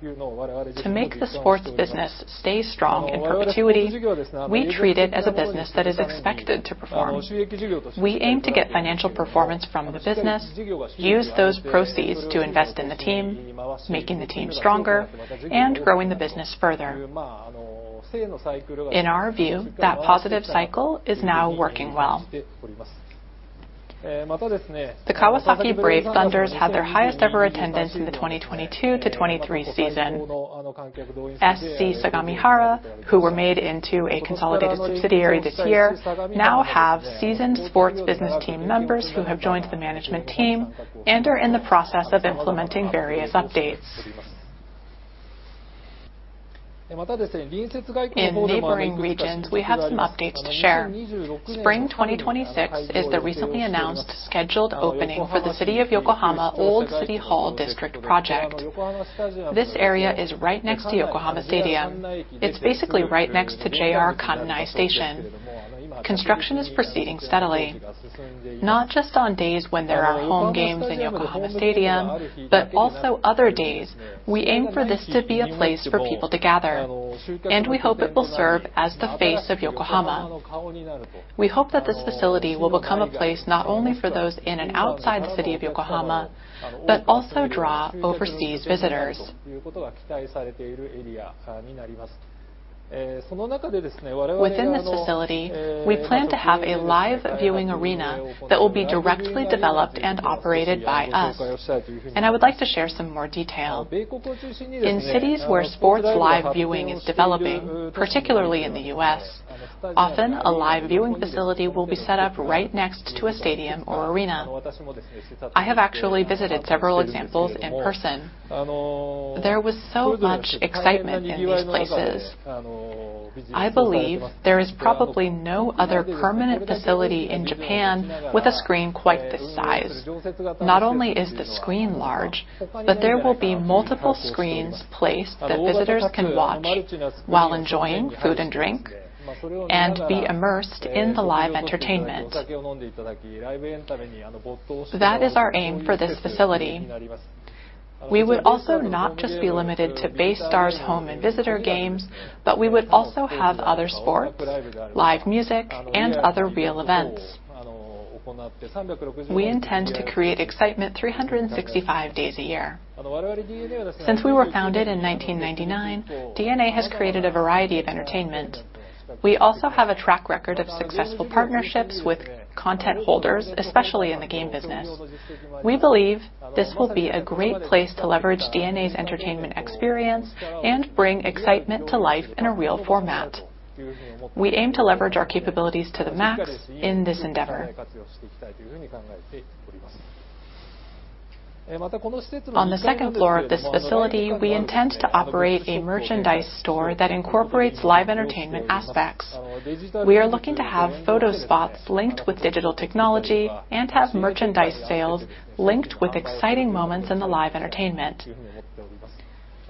To make the sports business stay strong in perpetuity, we treat it as a business that is expected to perform. We aim to get financial performance from the business, use those proceeds to invest in the team, making the team stronger and growing the business further. In our view, that positive cycle is now working well. The Kawasaki Brave Thunders had their highest-ever attendance in the 2022-2023 season. SC Sagamihara, who were made into a consolidated subsidiary this year, now have seasoned sports business team members who have joined the management team and are in the process of implementing various updates. In neighboring regions, we have some updates to share. Spring 2026 is the recently announced scheduled opening for the City of Yokohama Old City Hall District project. This area is right next to Yokohama Stadium. It's basically right next to JR Kannai Station. Construction is proceeding steadily. Not just on days when there are home games in Yokohama Stadium, but also other days, we aim for this to be a place for people to gather, and we hope it will serve as the face of Yokohama. We hope that this facility will become a place not only for those in and outside the city of Yokohama, but also draw overseas visitors.... Within this facility, we plan to have a live viewing arena that will be directly developed and operated by us, and I would like to share some more detail. In cities where sports live viewing is developing, particularly in the U.S., often a live viewing facility will be set up right next to a stadium or arena. I have actually visited several examples in person. There was so much excitement in these places. I believe there is probably no other permanent facility in Japan with a screen quite this size. Not only is the screen large, but there will be multiple screens placed that visitors can watch while enjoying food and drink and be immersed in the live entertainment. That is our aim for this facility. We would also not just be limited to BayStars home and visitor games, but we would also have other sports, live music, and other real events. We intend to create excitement 365 days a year. Since we were founded in 1999, DeNA has created a variety of entertainment. We also have a track record of successful partnerships with content holders, especially in the game business. We believe this will be a great place to leverage DeNA's entertainment experience and bring excitement to life in a real format. We aim to leverage our capabilities to the max in this endeavor. On the second floor of this facility, we intend to operate a merchandise store that incorporates live entertainment aspects. We are looking to have photo spots linked with digital technology and have merchandise sales linked with exciting moments in the live entertainment.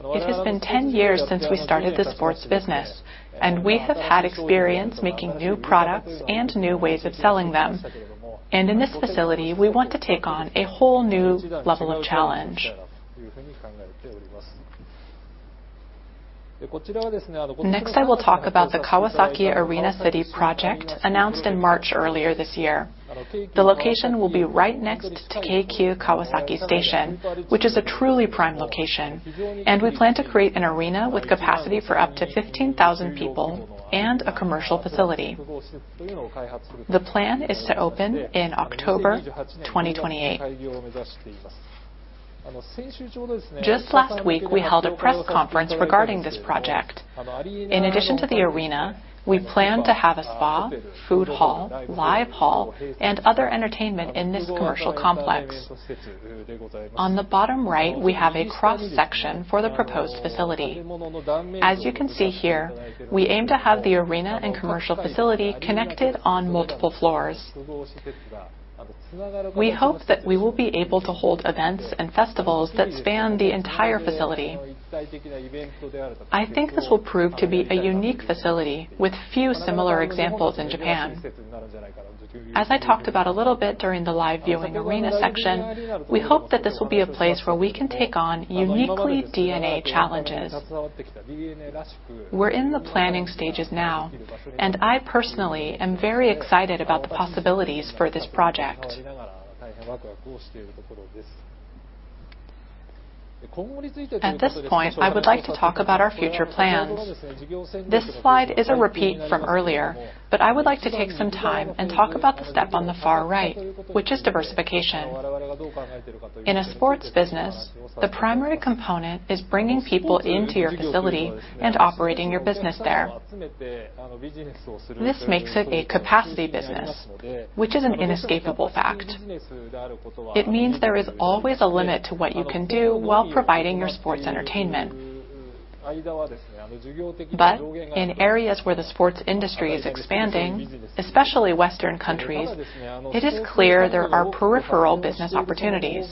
It has been 10 years since we started the sports business, and we have had experience making new products and new ways of selling them, and in this facility, we want to take on a whole new level of challenge. Next, I will talk about the Kawasaki Arena City project, announced in March earlier this year. The location will be right next to Keikyu Kawasaki Station, which is a truly prime location, and we plan to create an arena with capacity for up to 15,000 people and a commercial facility. The plan is to open in October 2028. Just last week, we held a press conference regarding this project. In addition to the arena, we plan to have a spa, food hall, live hall, and other entertainment in this commercial complex. On the bottom right, we have a cross-section for the proposed facility. As you can see here, we aim to have the arena and commercial facility connected on multiple floors. We hope that we will be able to hold events and festivals that span the entire facility. I think this will prove to be a unique facility with few similar examples in Japan. As I talked about a little bit during the live viewing arena section, we hope that this will be a place where we can take on uniquely DeNA challenges. We're in the planning stages now, and I personally am very excited about the possibilities for this project. At this point, I would like to talk about our future plans. This slide is a repeat from earlier, but I would like to take some time and talk about the step on the far right, which is diversification. In a sports business, the primary component is bringing people into your facility and operating your business there. This makes it a capacity business, which is an inescapable fact. It means there is always a limit to what you can do while providing your sports entertainment. But in areas where the sports industry is expanding, especially Western countries, it is clear there are peripheral business opportunities.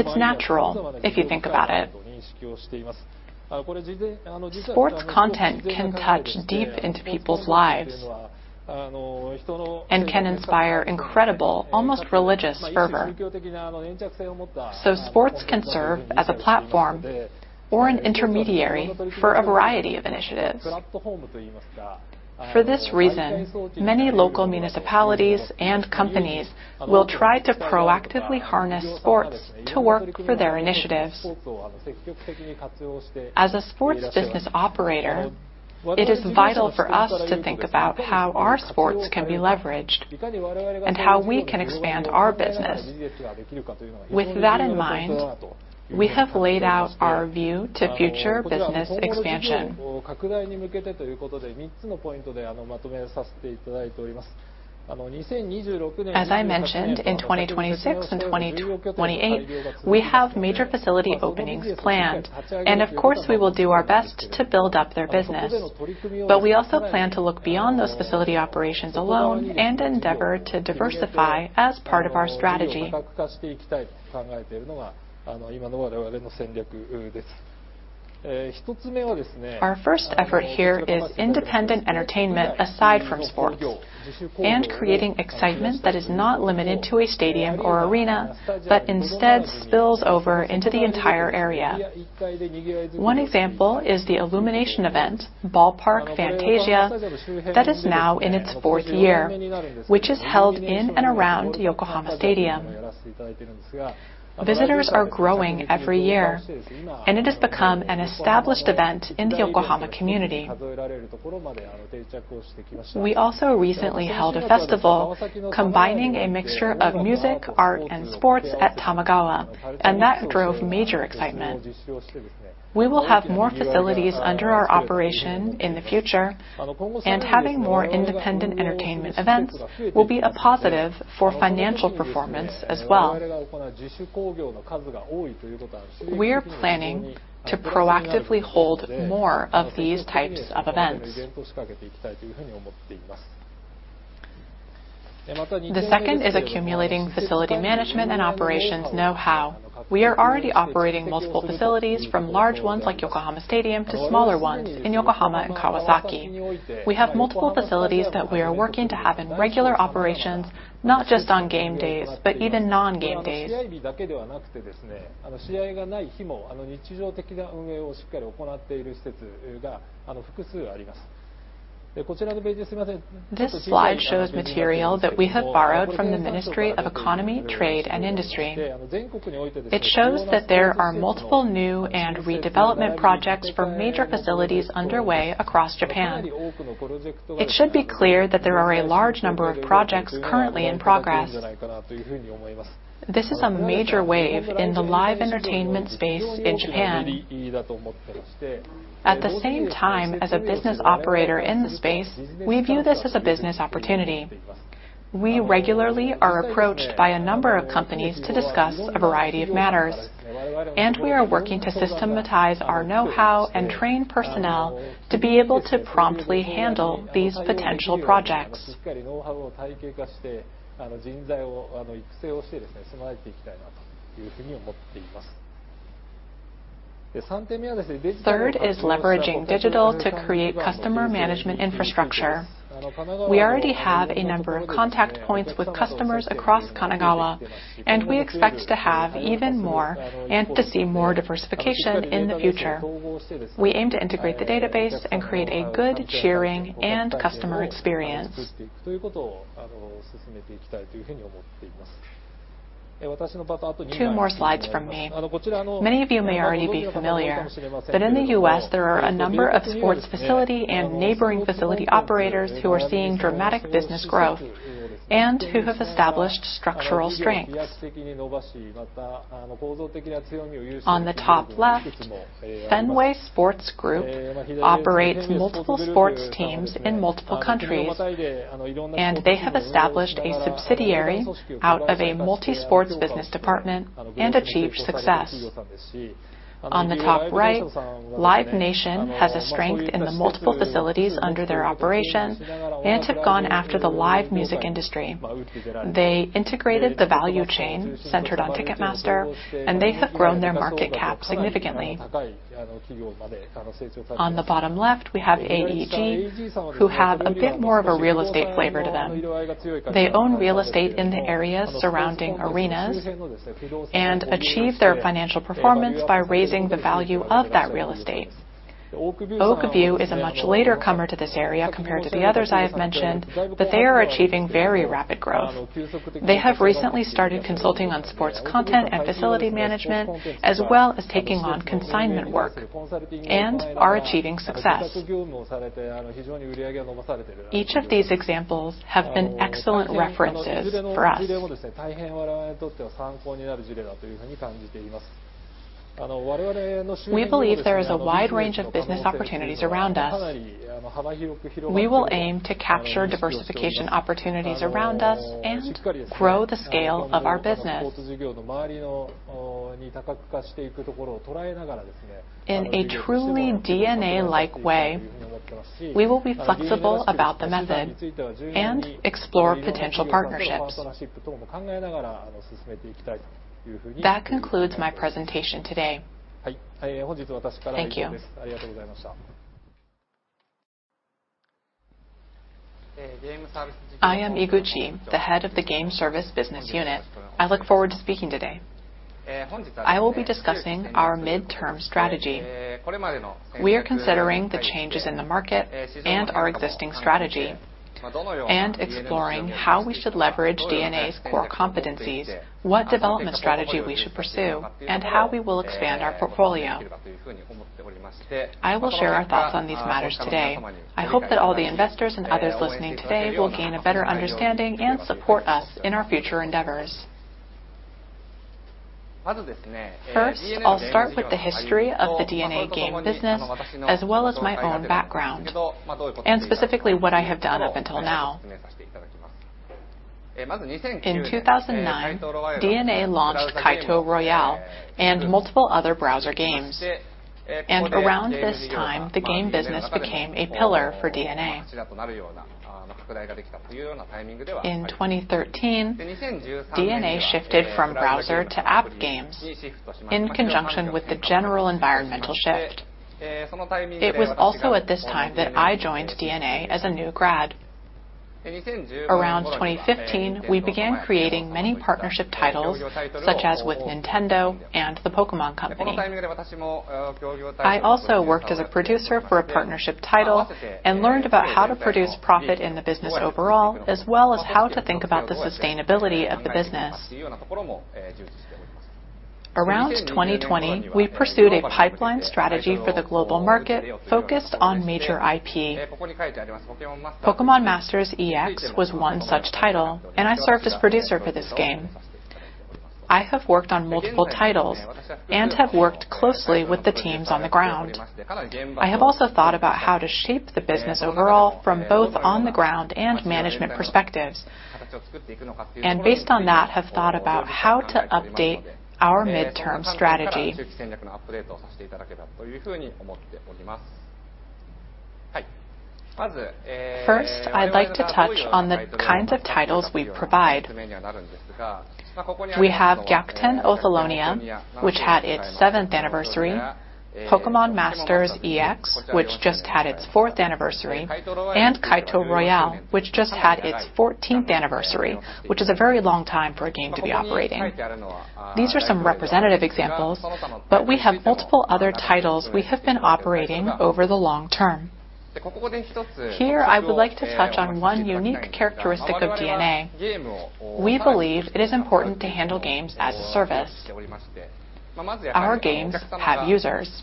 It's natural, if you think about it. Sports content can touch deep into people's lives and can inspire incredible, almost religious fervor. So sports can serve as a platform or an intermediary for a variety of initiatives. For this reason, many local municipalities and companies will try to proactively harness sports to work for their initiatives. As a sports business operator, it is vital for us to think about how our sports can be leveraged and how we can expand our business. With that in mind, we have laid out our view to future business expansion. As I mentioned, in 2026 and 2028, we have major facility openings planned, and of course, we will do our best to build up their business. But we also plan to look beyond those facility operations alone and endeavor to diversify as part of our strategy.... Our first effort here is independent entertainment aside from sports, and creating excitement that is not limited to a stadium or arena, but instead spills over into the entire area. One example is the illumination event, Ballpark Fantasia, that is now in its fourth year, which is held in and around Yokohama Stadium. Visitors are growing every year, and it has become an established event in the Yokohama community. We also recently held a festival combining a mixture of music, art, and sports at Tamagawa, and that drove major excitement. We will have more facilities under our operation in the future, and having more independent entertainment events will be a positive for financial performance as well. We are planning to proactively hold more of these types of events. The second is accumulating facility management and operations know-how. We are already operating multiple facilities, from large ones like Yokohama Stadium to smaller ones in Yokohama and Kawasaki. We have multiple facilities that we are working to have in regular operations, not just on game days, but even non-game days. This slide shows material that we have borrowed from the Ministry of Economy, Trade and Industry. It shows that there are multiple new and redevelopment projects for major facilities underway across Japan. It should be clear that there are a large number of projects currently in progress. This is a major wave in the live entertainment space in Japan. At the same time, as a business operator in the space, we view this as a business opportunity. We regularly are approached by a number of companies to discuss a variety of matters, and we are working to systematize our know-how and train personnel to be able to promptly handle these potential projects. Third is leveraging digital to create customer management infrastructure. We already have a number of contact points with customers across Kanagawa, and we expect to have even more and to see more diversification in the future. We aim to integrate the database and create a good cheering and customer experience. Two more slides from me. Many of you may already be familiar, but in the U.S., there are a number of sports facility and neighboring facility operators who are seeing dramatic business growth and who have established structural strengths. On the top left, Fenway Sports Group operates multiple sports teams in multiple countries, and they have established a subsidiary out of a multi-sports business department and achieved success. On the top right, Live Nation has a strength in the multiple facilities under their operation and have gone after the live music industry. They integrated the value chain centered on Ticketmaster, and they have grown their market cap significantly. On the bottom left, we have AEG, who have a bit more of a real estate flavor to them. They own real estate in the areas surrounding arenas and achieve their financial performance by raising the value of that real estate. Oak View is a much later comer to this area compared to the others I have mentioned, but they are achieving very rapid growth. They have recently started consulting on sports content and facility management, as well as taking on consignment work and are achieving success. Each of these examples have been excellent references for us. We believe there is a wide range of business opportunities around us. We will aim to capture diversification opportunities around us and grow the scale of our business. In a truly DeNA-like way, we will be flexible about the method and explore potential partnerships. That concludes my presentation today. Thank you. I am Iguchi, the head of the Game Service Business Unit. I look forward to speaking today. I will be discussing our midterm strategy. We are considering the changes in the market and our existing strategy, and exploring how we should leverage DeNA's core competencies, what development strategy we should pursue, and how we will expand our portfolio. I will share our thoughts on these matters today. I hope that all the investors and others listening today will gain a better understanding and support us in our future endeavors. First, I'll start with the history of the DeNA game business, as well as my own background, and specifically, what I have done up until now. In 2009, DeNA launched Kaito Royale and multiple other browser games, and around this time, the game business became a pillar for DeNA. In 2013, DeNA shifted from browser to app games in conjunction with the general environmental shift. It was also at this time that I joined DeNA as a new grad. Around 2015, we began creating many partnership titles, such as with Nintendo and the Pokémon Company. I also worked as a producer for a partnership title and learned about how to produce profit in the business overall, as well as how to think about the sustainability of the business. Around 2020, we pursued a pipeline strategy for the global market focused on major IP. Pokémon Masters EX was one such title, and I served as producer for this game. I have worked on multiple titles and have worked closely with the teams on the ground. I have also thought about how to shape the business overall from both on the ground and management perspectives, and based on that, have thought about how to update our midterm strategy. First, I'd like to touch on the kinds of titles we provide. We have Gyakuten Othellonia, which had its seventh anniversary, Pokémon Masters EX, which just had its fourth anniversary, and Kaito Royale, which just had its fourteenth anniversary, which is a very long time for a game to be operating. These are some representative examples, but we have multiple other titles we have been operating over the long term. Here, I would like to touch on one unique characteristic of DeNA. We believe it is important to handle games as a service. Our games have users.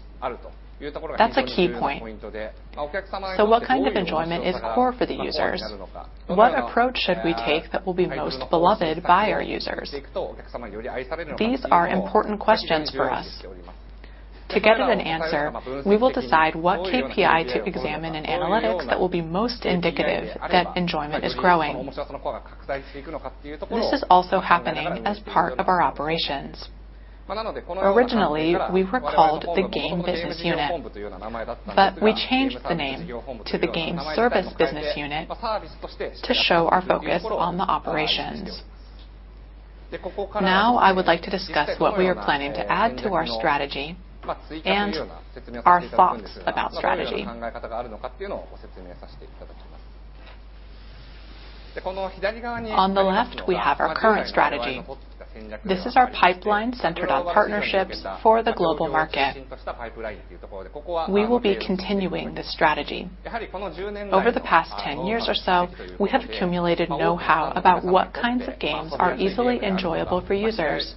That's a key point. So what kind of enjoyment is core for the users? What approach should we take that will be most beloved by our users? These are important questions for us. To get at an answer, we will decide what KPI to examine in analytics that will be most indicative that enjoyment is growing. This is also happening as part of our operations. Originally, we were called the Game Business Unit, but we changed the name to the Game Service Business Unit to show our focus on the operations. Now, I would like to discuss what we are planning to add to our strategy and our thoughts about strategy. On the left, we have our current strategy. This is our pipeline centered on partnerships for the global market. We will be continuing this strategy. Over the past 10 years or so, we have accumulated know-how about what kinds of games are easily enjoyable for users,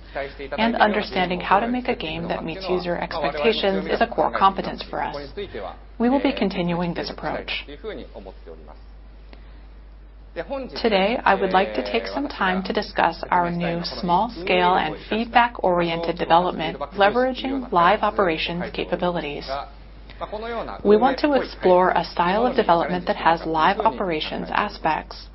and understanding how to make a game that meets user expectations is a core competence for us. We will be continuing this approach. Today, I would like to take some time to discuss our new small-scale and feedback-oriented development, leveraging live operations capabilities. We want to explore a style of development that has live operations aspects.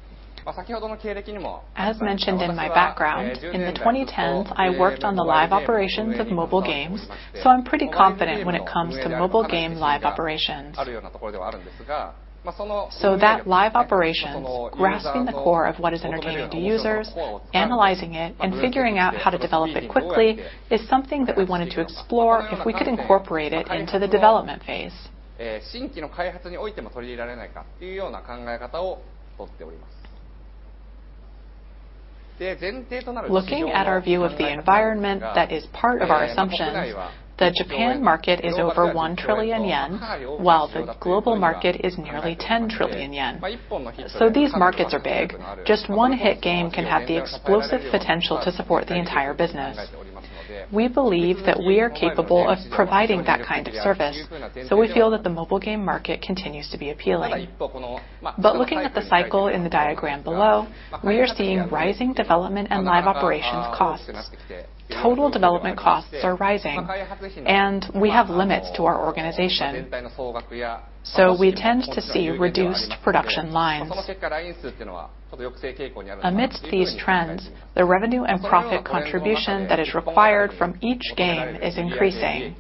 As mentioned in my background, in the 2010s, I worked on the live operations of mobile games, so I'm pretty confident when it comes to mobile game live operations. So that live operations, grasping the core of what is entertaining to users, analyzing it, and figuring out how to develop it quickly, is something that we wanted to explore if we could incorporate it into the development phase. Looking at our view of the environment that is part of our assumptions, the Japan market is over 1 trillion yen, while the global market is nearly 10 trillion yen. So these markets are big. Just one hit game can have the explosive potential to support the entire business. We believe that we are capable of providing that kind of service, so we feel that the mobile game market continues to be appealing. But looking at the cycle in the diagram below, we are seeing rising development and live operations costs. Total development costs are rising, and we have limits to our organization, so we tend to see reduced production lines. Amidst these trends, the revenue and profit contribution that is required from each game is increasing.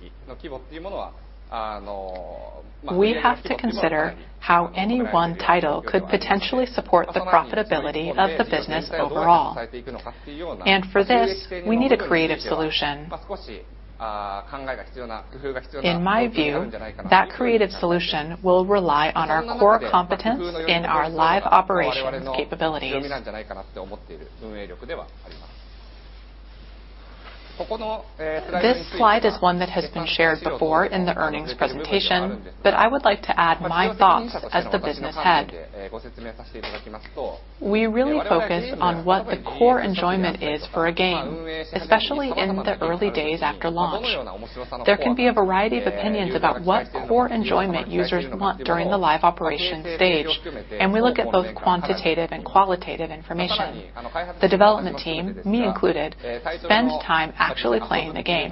We have to consider how any one title could potentially support the profitability of the business overall, and for this, we need a creative solution. In my view, that creative solution will rely on our core competence in our live operations capabilities. This slide is one that has been shared before in the earnings presentation, but I would like to add my thoughts as the business head. We really focus on what the core enjoyment is for a game, especially in the early days after launch. There can be a variety of opinions about what core enjoyment users want during the live operations stage, and we look at both quantitative and qualitative information. The development team, me included, spends time actually playing the game.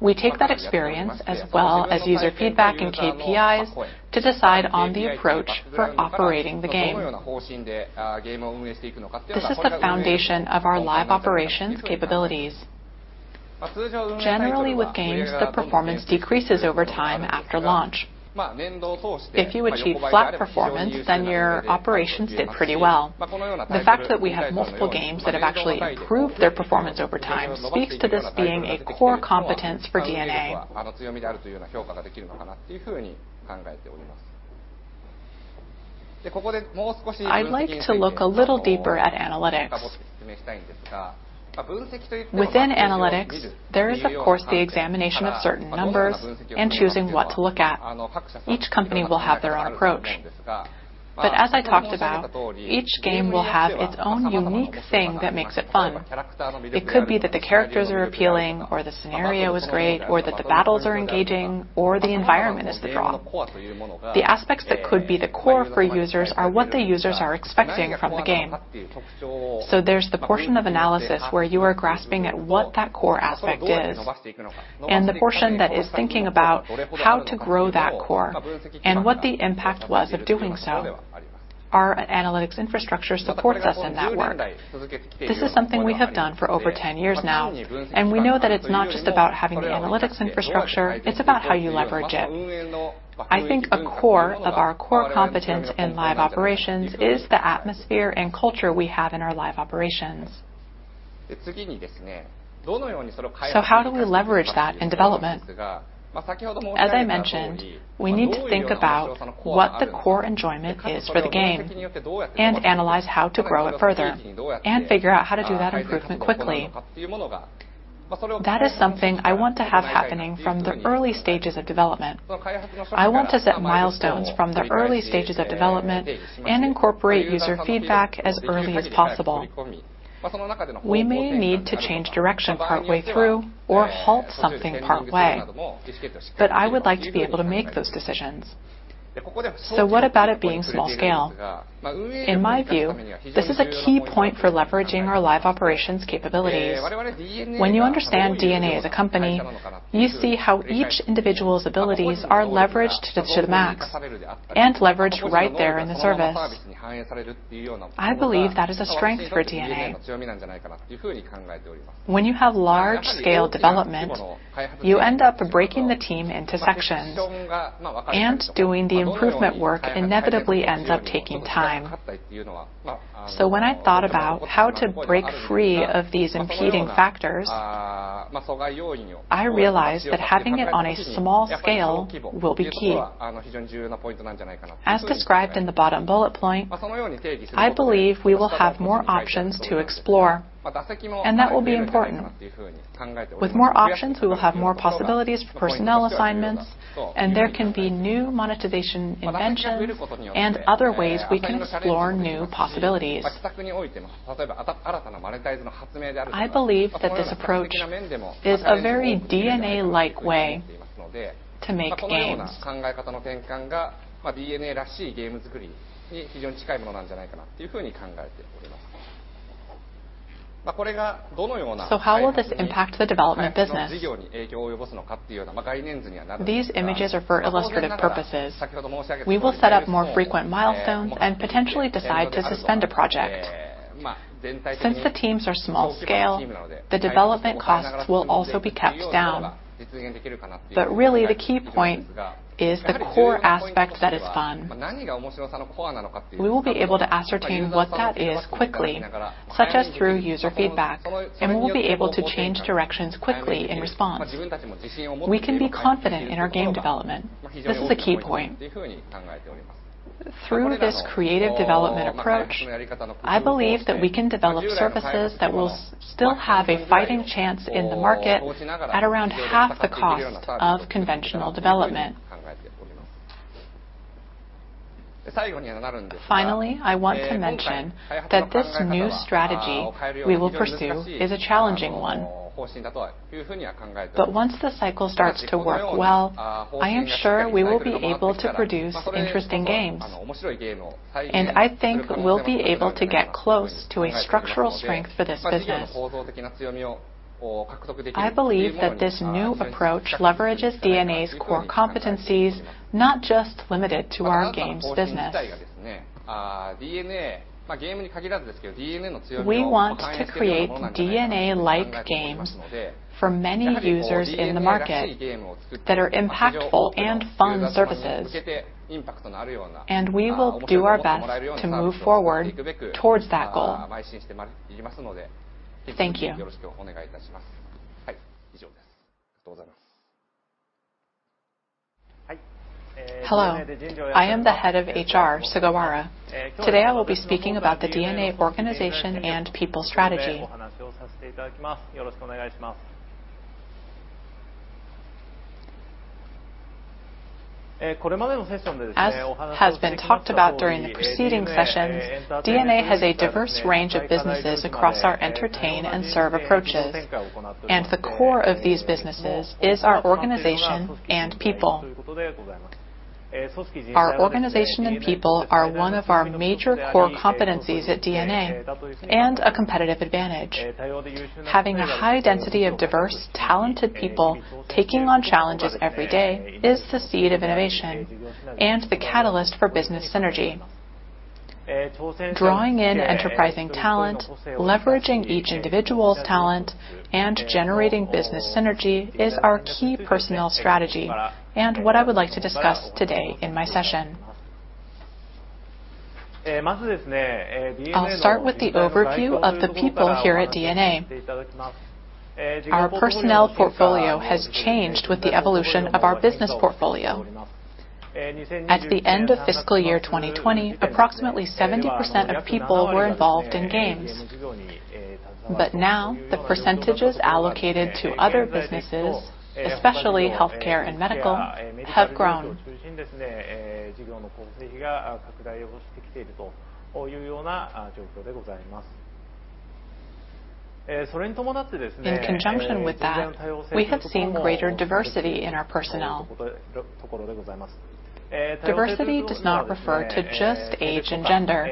We take that experience, as well as user feedback and KPIs, to decide on the approach for operating the game. This is the foundation of our live operations capabilities. Generally, with games, the performance decreases over time after launch. If you achieve flat performance, then your operations did pretty well. The fact that we have multiple games that have actually improved their performance over time speaks to this being a core competence for DeNA. I'd like to look a little deeper at analytics. Within analytics, there is, of course, the examination of certain numbers and choosing what to look at. Each company will have their own approach. But as I talked about, each game will have its own unique thing that makes it fun. It could be that the characters are appealing, or the scenario is great, or that the battles are engaging, or the environment is the draw. The aspects that could be the core for users are what the users are expecting from the game. So there's the portion of analysis where you are grasping at what that core aspect is, and the portion that is thinking about how to grow that core and what the impact was of doing so. Our analytics infrastructure supports us in that work. This is something we have done for over 10 years now, and we know that it's not just about having the analytics infrastructure, it's about how you leverage it. I think a core of our core competence in live operations is the atmosphere and culture we have in our live operations. So how do we leverage that in development? As I mentioned, we need to think about what the core enjoyment is for the game and analyze how to grow it further and figure out how to do that improvement quickly. That is something I want to have happening from the early stages of development. I want to set milestones from the early stages of development and incorporate user feedback as early as possible. We may need to change direction partway through or halt something partway, but I would like to be able to make those decisions. So what about it being small scale? In my view, this is a key point for leveraging our live operations capabilities. When you understand DeNA as a company, you see how each individual's abilities are leveraged to the max and leveraged right there in the service. I believe that is a strength for DeNA. When you have large-scale development, you end up breaking the team into sections, and doing the improvement work inevitably ends up taking time. So when I thought about how to break free of these impeding factors, I realized that having it on a small scale will be key. As described in the bottom bullet point, I believe we will have more options to explore, and that will be important. With more options, we will have more possibilities for personnel assignments, and there can be new monetization inventions and other ways we can explore new possibilities. I believe that this approach is a very DeNA-like way to make games. How will this impact the development business? These images are for illustrative purposes. We will set up more frequent milestones and potentially decide to suspend a project. Since the teams are small scale, the development costs will also be kept down. But really, the key point is the core aspect that is fun. We will be able to ascertain what that is quickly, such as through user feedback, and we will be able to change directions quickly in response. We can be confident in our game development. This is a key point. Through this creative development approach, I believe that we can develop services that will still have a fighting chance in the market at around half the cost of conventional development. Finally, I want to mention that this new strategy we will pursue is a challenging one. But once the cycle starts to work well, I am sure we will be able to produce interesting games, and I think we'll be able to get close to a structural strength for this business. I believe that this new approach leverages DeNA's core competencies, not just limited to our games business. We want to create DeNA-like games for many users in the market that are impactful and fun services, and we will do our best to move forward towards that goal. Thank you. Hello, I am the head of HR, Sugawara. Today, I will be speaking about the DeNA organization and people strategy. As has been talked about during the preceding sessions, DeNA has a diverse range of businesses across our entertain and serve approaches, and the core of these businesses is our organization and people. Our organization and people are one of our major core competencies at DeNA and a competitive advantage. Having a high density of diverse, talented people taking on challenges every day is the seed of innovation and the catalyst for business synergy. Drawing in enterprising talent, leveraging each individual's talent, and generating business synergy is our key personnel strategy, and what I would like to discuss today in my session. I'll start with the overview of the people here at DeNA. Our personnel portfolio has changed with the evolution of our business portfolio. At the end of fiscal year 2020, approximately 70% of people were involved in games, but now the percentages allocated to other businesses, especially healthcare and medical, have grown. In conjunction with that, we have seen greater diversity in our personnel. Diversity does not refer to just age and gender.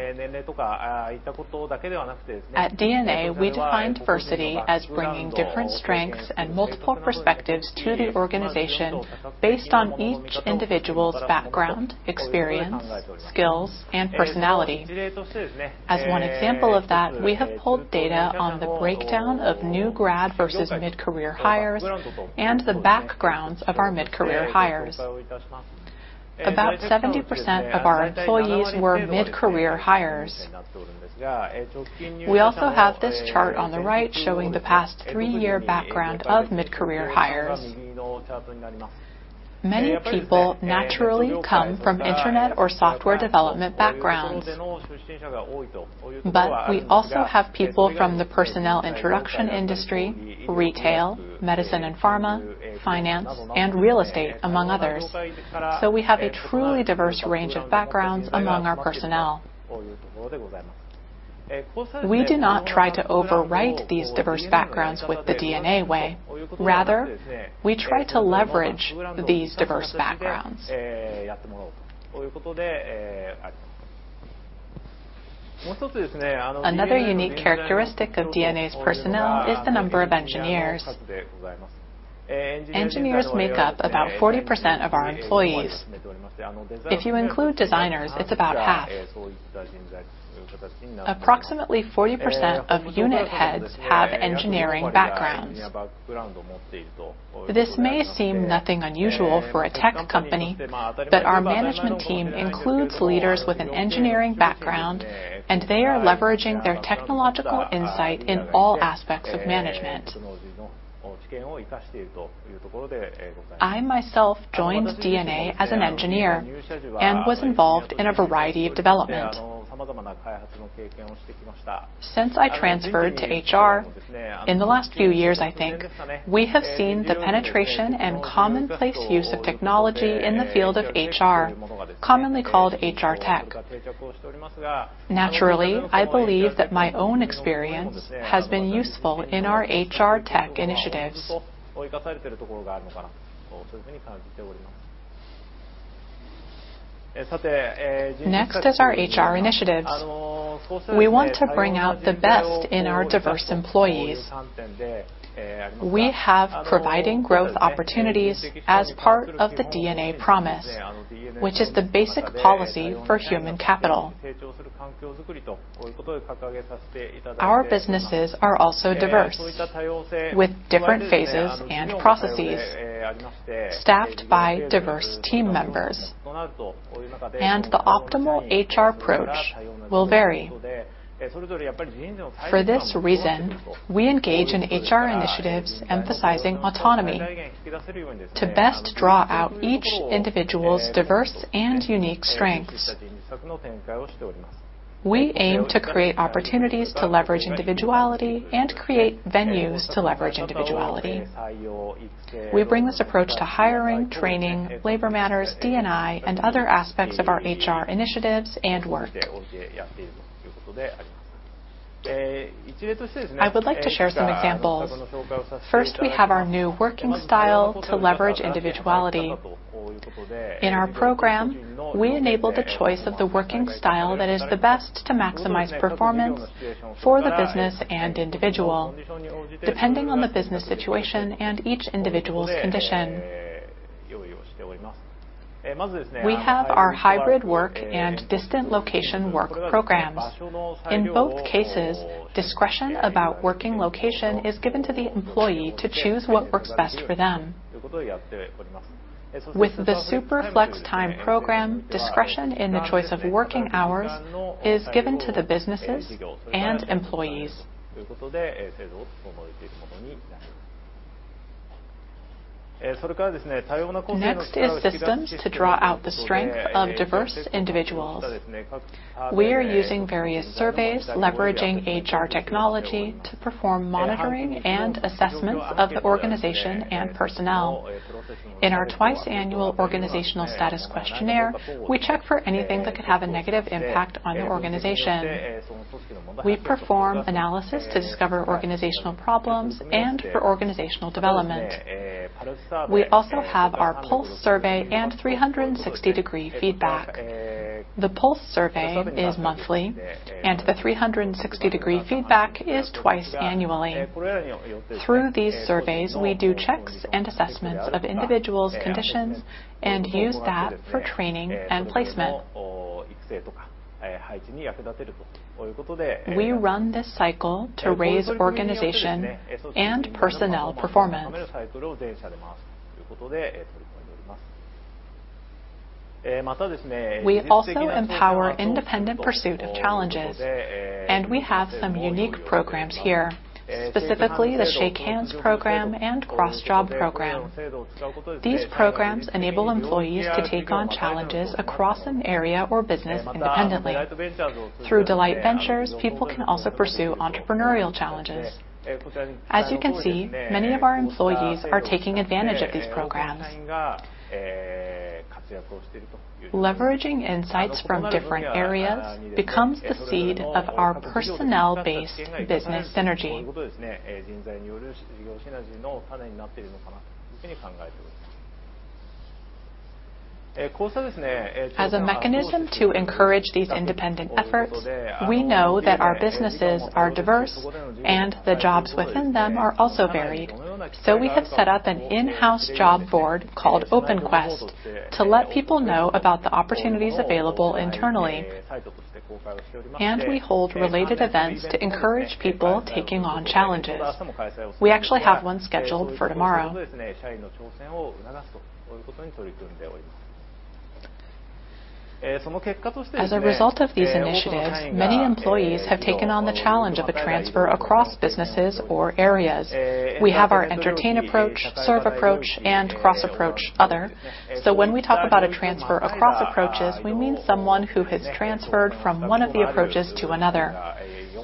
At DeNA, we define diversity as bringing different strengths and multiple perspectives to the organization based on each individual's background, experience, skills, and personality. As one example of that, we have pulled data on the breakdown of new grad versus mid-career hires and the backgrounds of our mid-career hires. About 70% of our employees were mid-career hires. We also have this chart on the right showing the past three-year background of mid-career hires. Many people naturally come from internet or software development backgrounds, but we also have people from the personnel introduction industry, retail, medicine and pharma, finance, and real estate, among others. So we have a truly diverse range of backgrounds among our personnel. We do not try to overwrite these diverse backgrounds with the DeNA way. Rather, we try to leverage these diverse backgrounds. Another unique characteristic of DeNA's personnel is the number of engineers. Engineers make up about 40% of our employees. If you include designers, it's about half. Approximately 40% of unit heads have engineering backgrounds. This may seem nothing unusual for a tech company, but our management team includes leaders with an engineering background, and they are leveraging their technological insight in all aspects of management. I myself joined DeNA as an engineer and was involved in a variety of development. Since I transferred to HR, in the last few years, I think, we have seen the penetration and commonplace use of technology in the field of HR, commonly called HR tech. Naturally, I believe that my own experience has been useful in our HR tech initiatives. Next is our HR initiatives. We want to bring out the best in our diverse employees. We are providing growth opportunities as part of the DeNA Promise, which is the basic policy for human capital. Our businesses are also diverse, with different phases and processes, staffed by diverse team members, and the optimal HR approach will vary. For this reason, we engage in HR initiatives emphasizing autonomy to best draw out each individual's diverse and unique strengths. We aim to create opportunities to leverage individuality and create venues to leverage individuality. We bring this approach to hiring, training, labor matters, D&I, and other aspects of our HR initiatives and work. I would like to share some examples. First, we have our new working style to leverage individuality. In our program, we enable the choice of the working style that is the best to maximize performance for the business and individual, depending on the business situation and each individual's condition. We have our hybrid work and distant location work programs. In both cases, discretion about working location is given to the employee to choose what works best for them. With the super flex time program, discretion in the choice of working hours is given to the businesses and employees. Next is systems to draw out the strength of diverse individuals. We are using various surveys, leveraging HR technology, to perform monitoring and assessments of the organization and personnel. In our twice-annual organizational status questionnaire, we check for anything that could have a negative impact on the organization. We perform analysis to discover organizational problems and for organizational development. We also have our pulse survey and 360-degree feedback. The pulse survey is monthly, and the 360-degree feedback is twice annually. Through these surveys, we do checks and assessments of individuals' conditions and use that for training and placement. We run this cycle to raise organization and personnel performance. We also empower independent pursuit of challenges, and we have some unique programs here, specifically the Shake Hands program and Cross-Job program. These programs enable employees to take on challenges across an area or business independently. Through Delight Ventures, people can also pursue entrepreneurial challenges. As you can see, many of our employees are taking advantage of these programs. Leveraging insights from different areas becomes the seed of our personnel-based business synergy. As a mechanism to encourage these independent efforts, we know that our businesses are diverse, and the jobs within them are also varied. We have set up an in-house job board called Open Quest to let people know about the opportunities available internally, and we hold related events to encourage people taking on challenges. We actually have one scheduled for tomorrow. As a result of these initiatives, many employees have taken on the challenge of a transfer across businesses or areas. We have our entertainment approach, service approach, and cross-approach. When we talk about a transfer across approaches, we mean someone who has transferred from one of the approaches to another.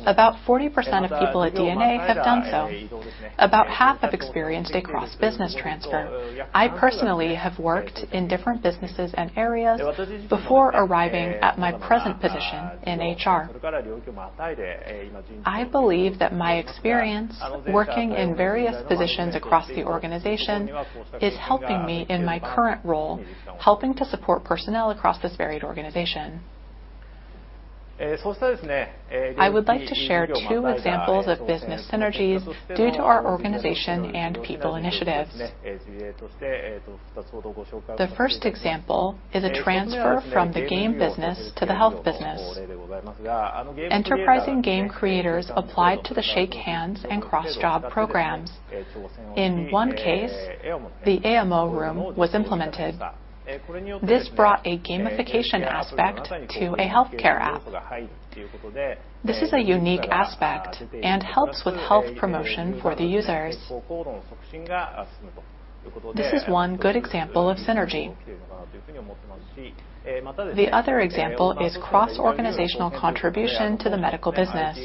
About 40% of people at DeNA have done so. About half have experienced a cross-business transfer. I personally have worked in different businesses and areas before arriving at my present position in HR. I believe that my experience working in various positions across the organization is helping me in my current role, helping to support personnel across this varied organization. I would like to share two examples of business synergies due to our organization and people initiatives. The first example is a transfer from the game business to the health business. Enterprising game creators applied to the Shake Hands and Cross-Job programs. In one case, the MMO room was implemented. This brought a gamification aspect to a healthcare app. This is a unique aspect and helps with health promotion for the users. This is one good example of synergy. The other example is cross-organizational contribution to the medical business.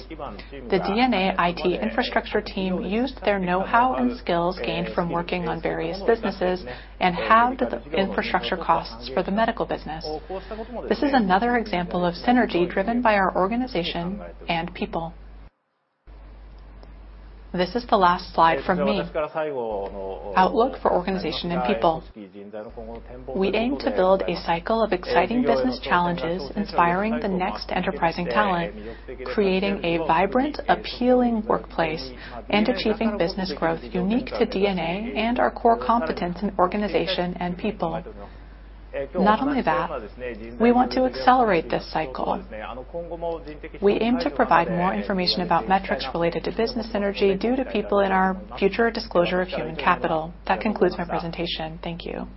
The DeNA IT infrastructure team used their know-how and skills gained from working on various businesses and halved the infrastructure costs for the medical business. This is another example of synergy driven by our organization and people. This is the last slide from me. Outlook for organization and people. We aim to build a cycle of exciting business challenges, inspiring the next enterprising talent, creating a vibrant, appealing workplace, and achieving business growth unique to DeNA and our core competence in organization and people. Not only that, we want to accelerate this cycle. We aim to provide more information about metrics related to business synergy due to people in our future disclosure of human capital. That concludes my presentation. Thank you.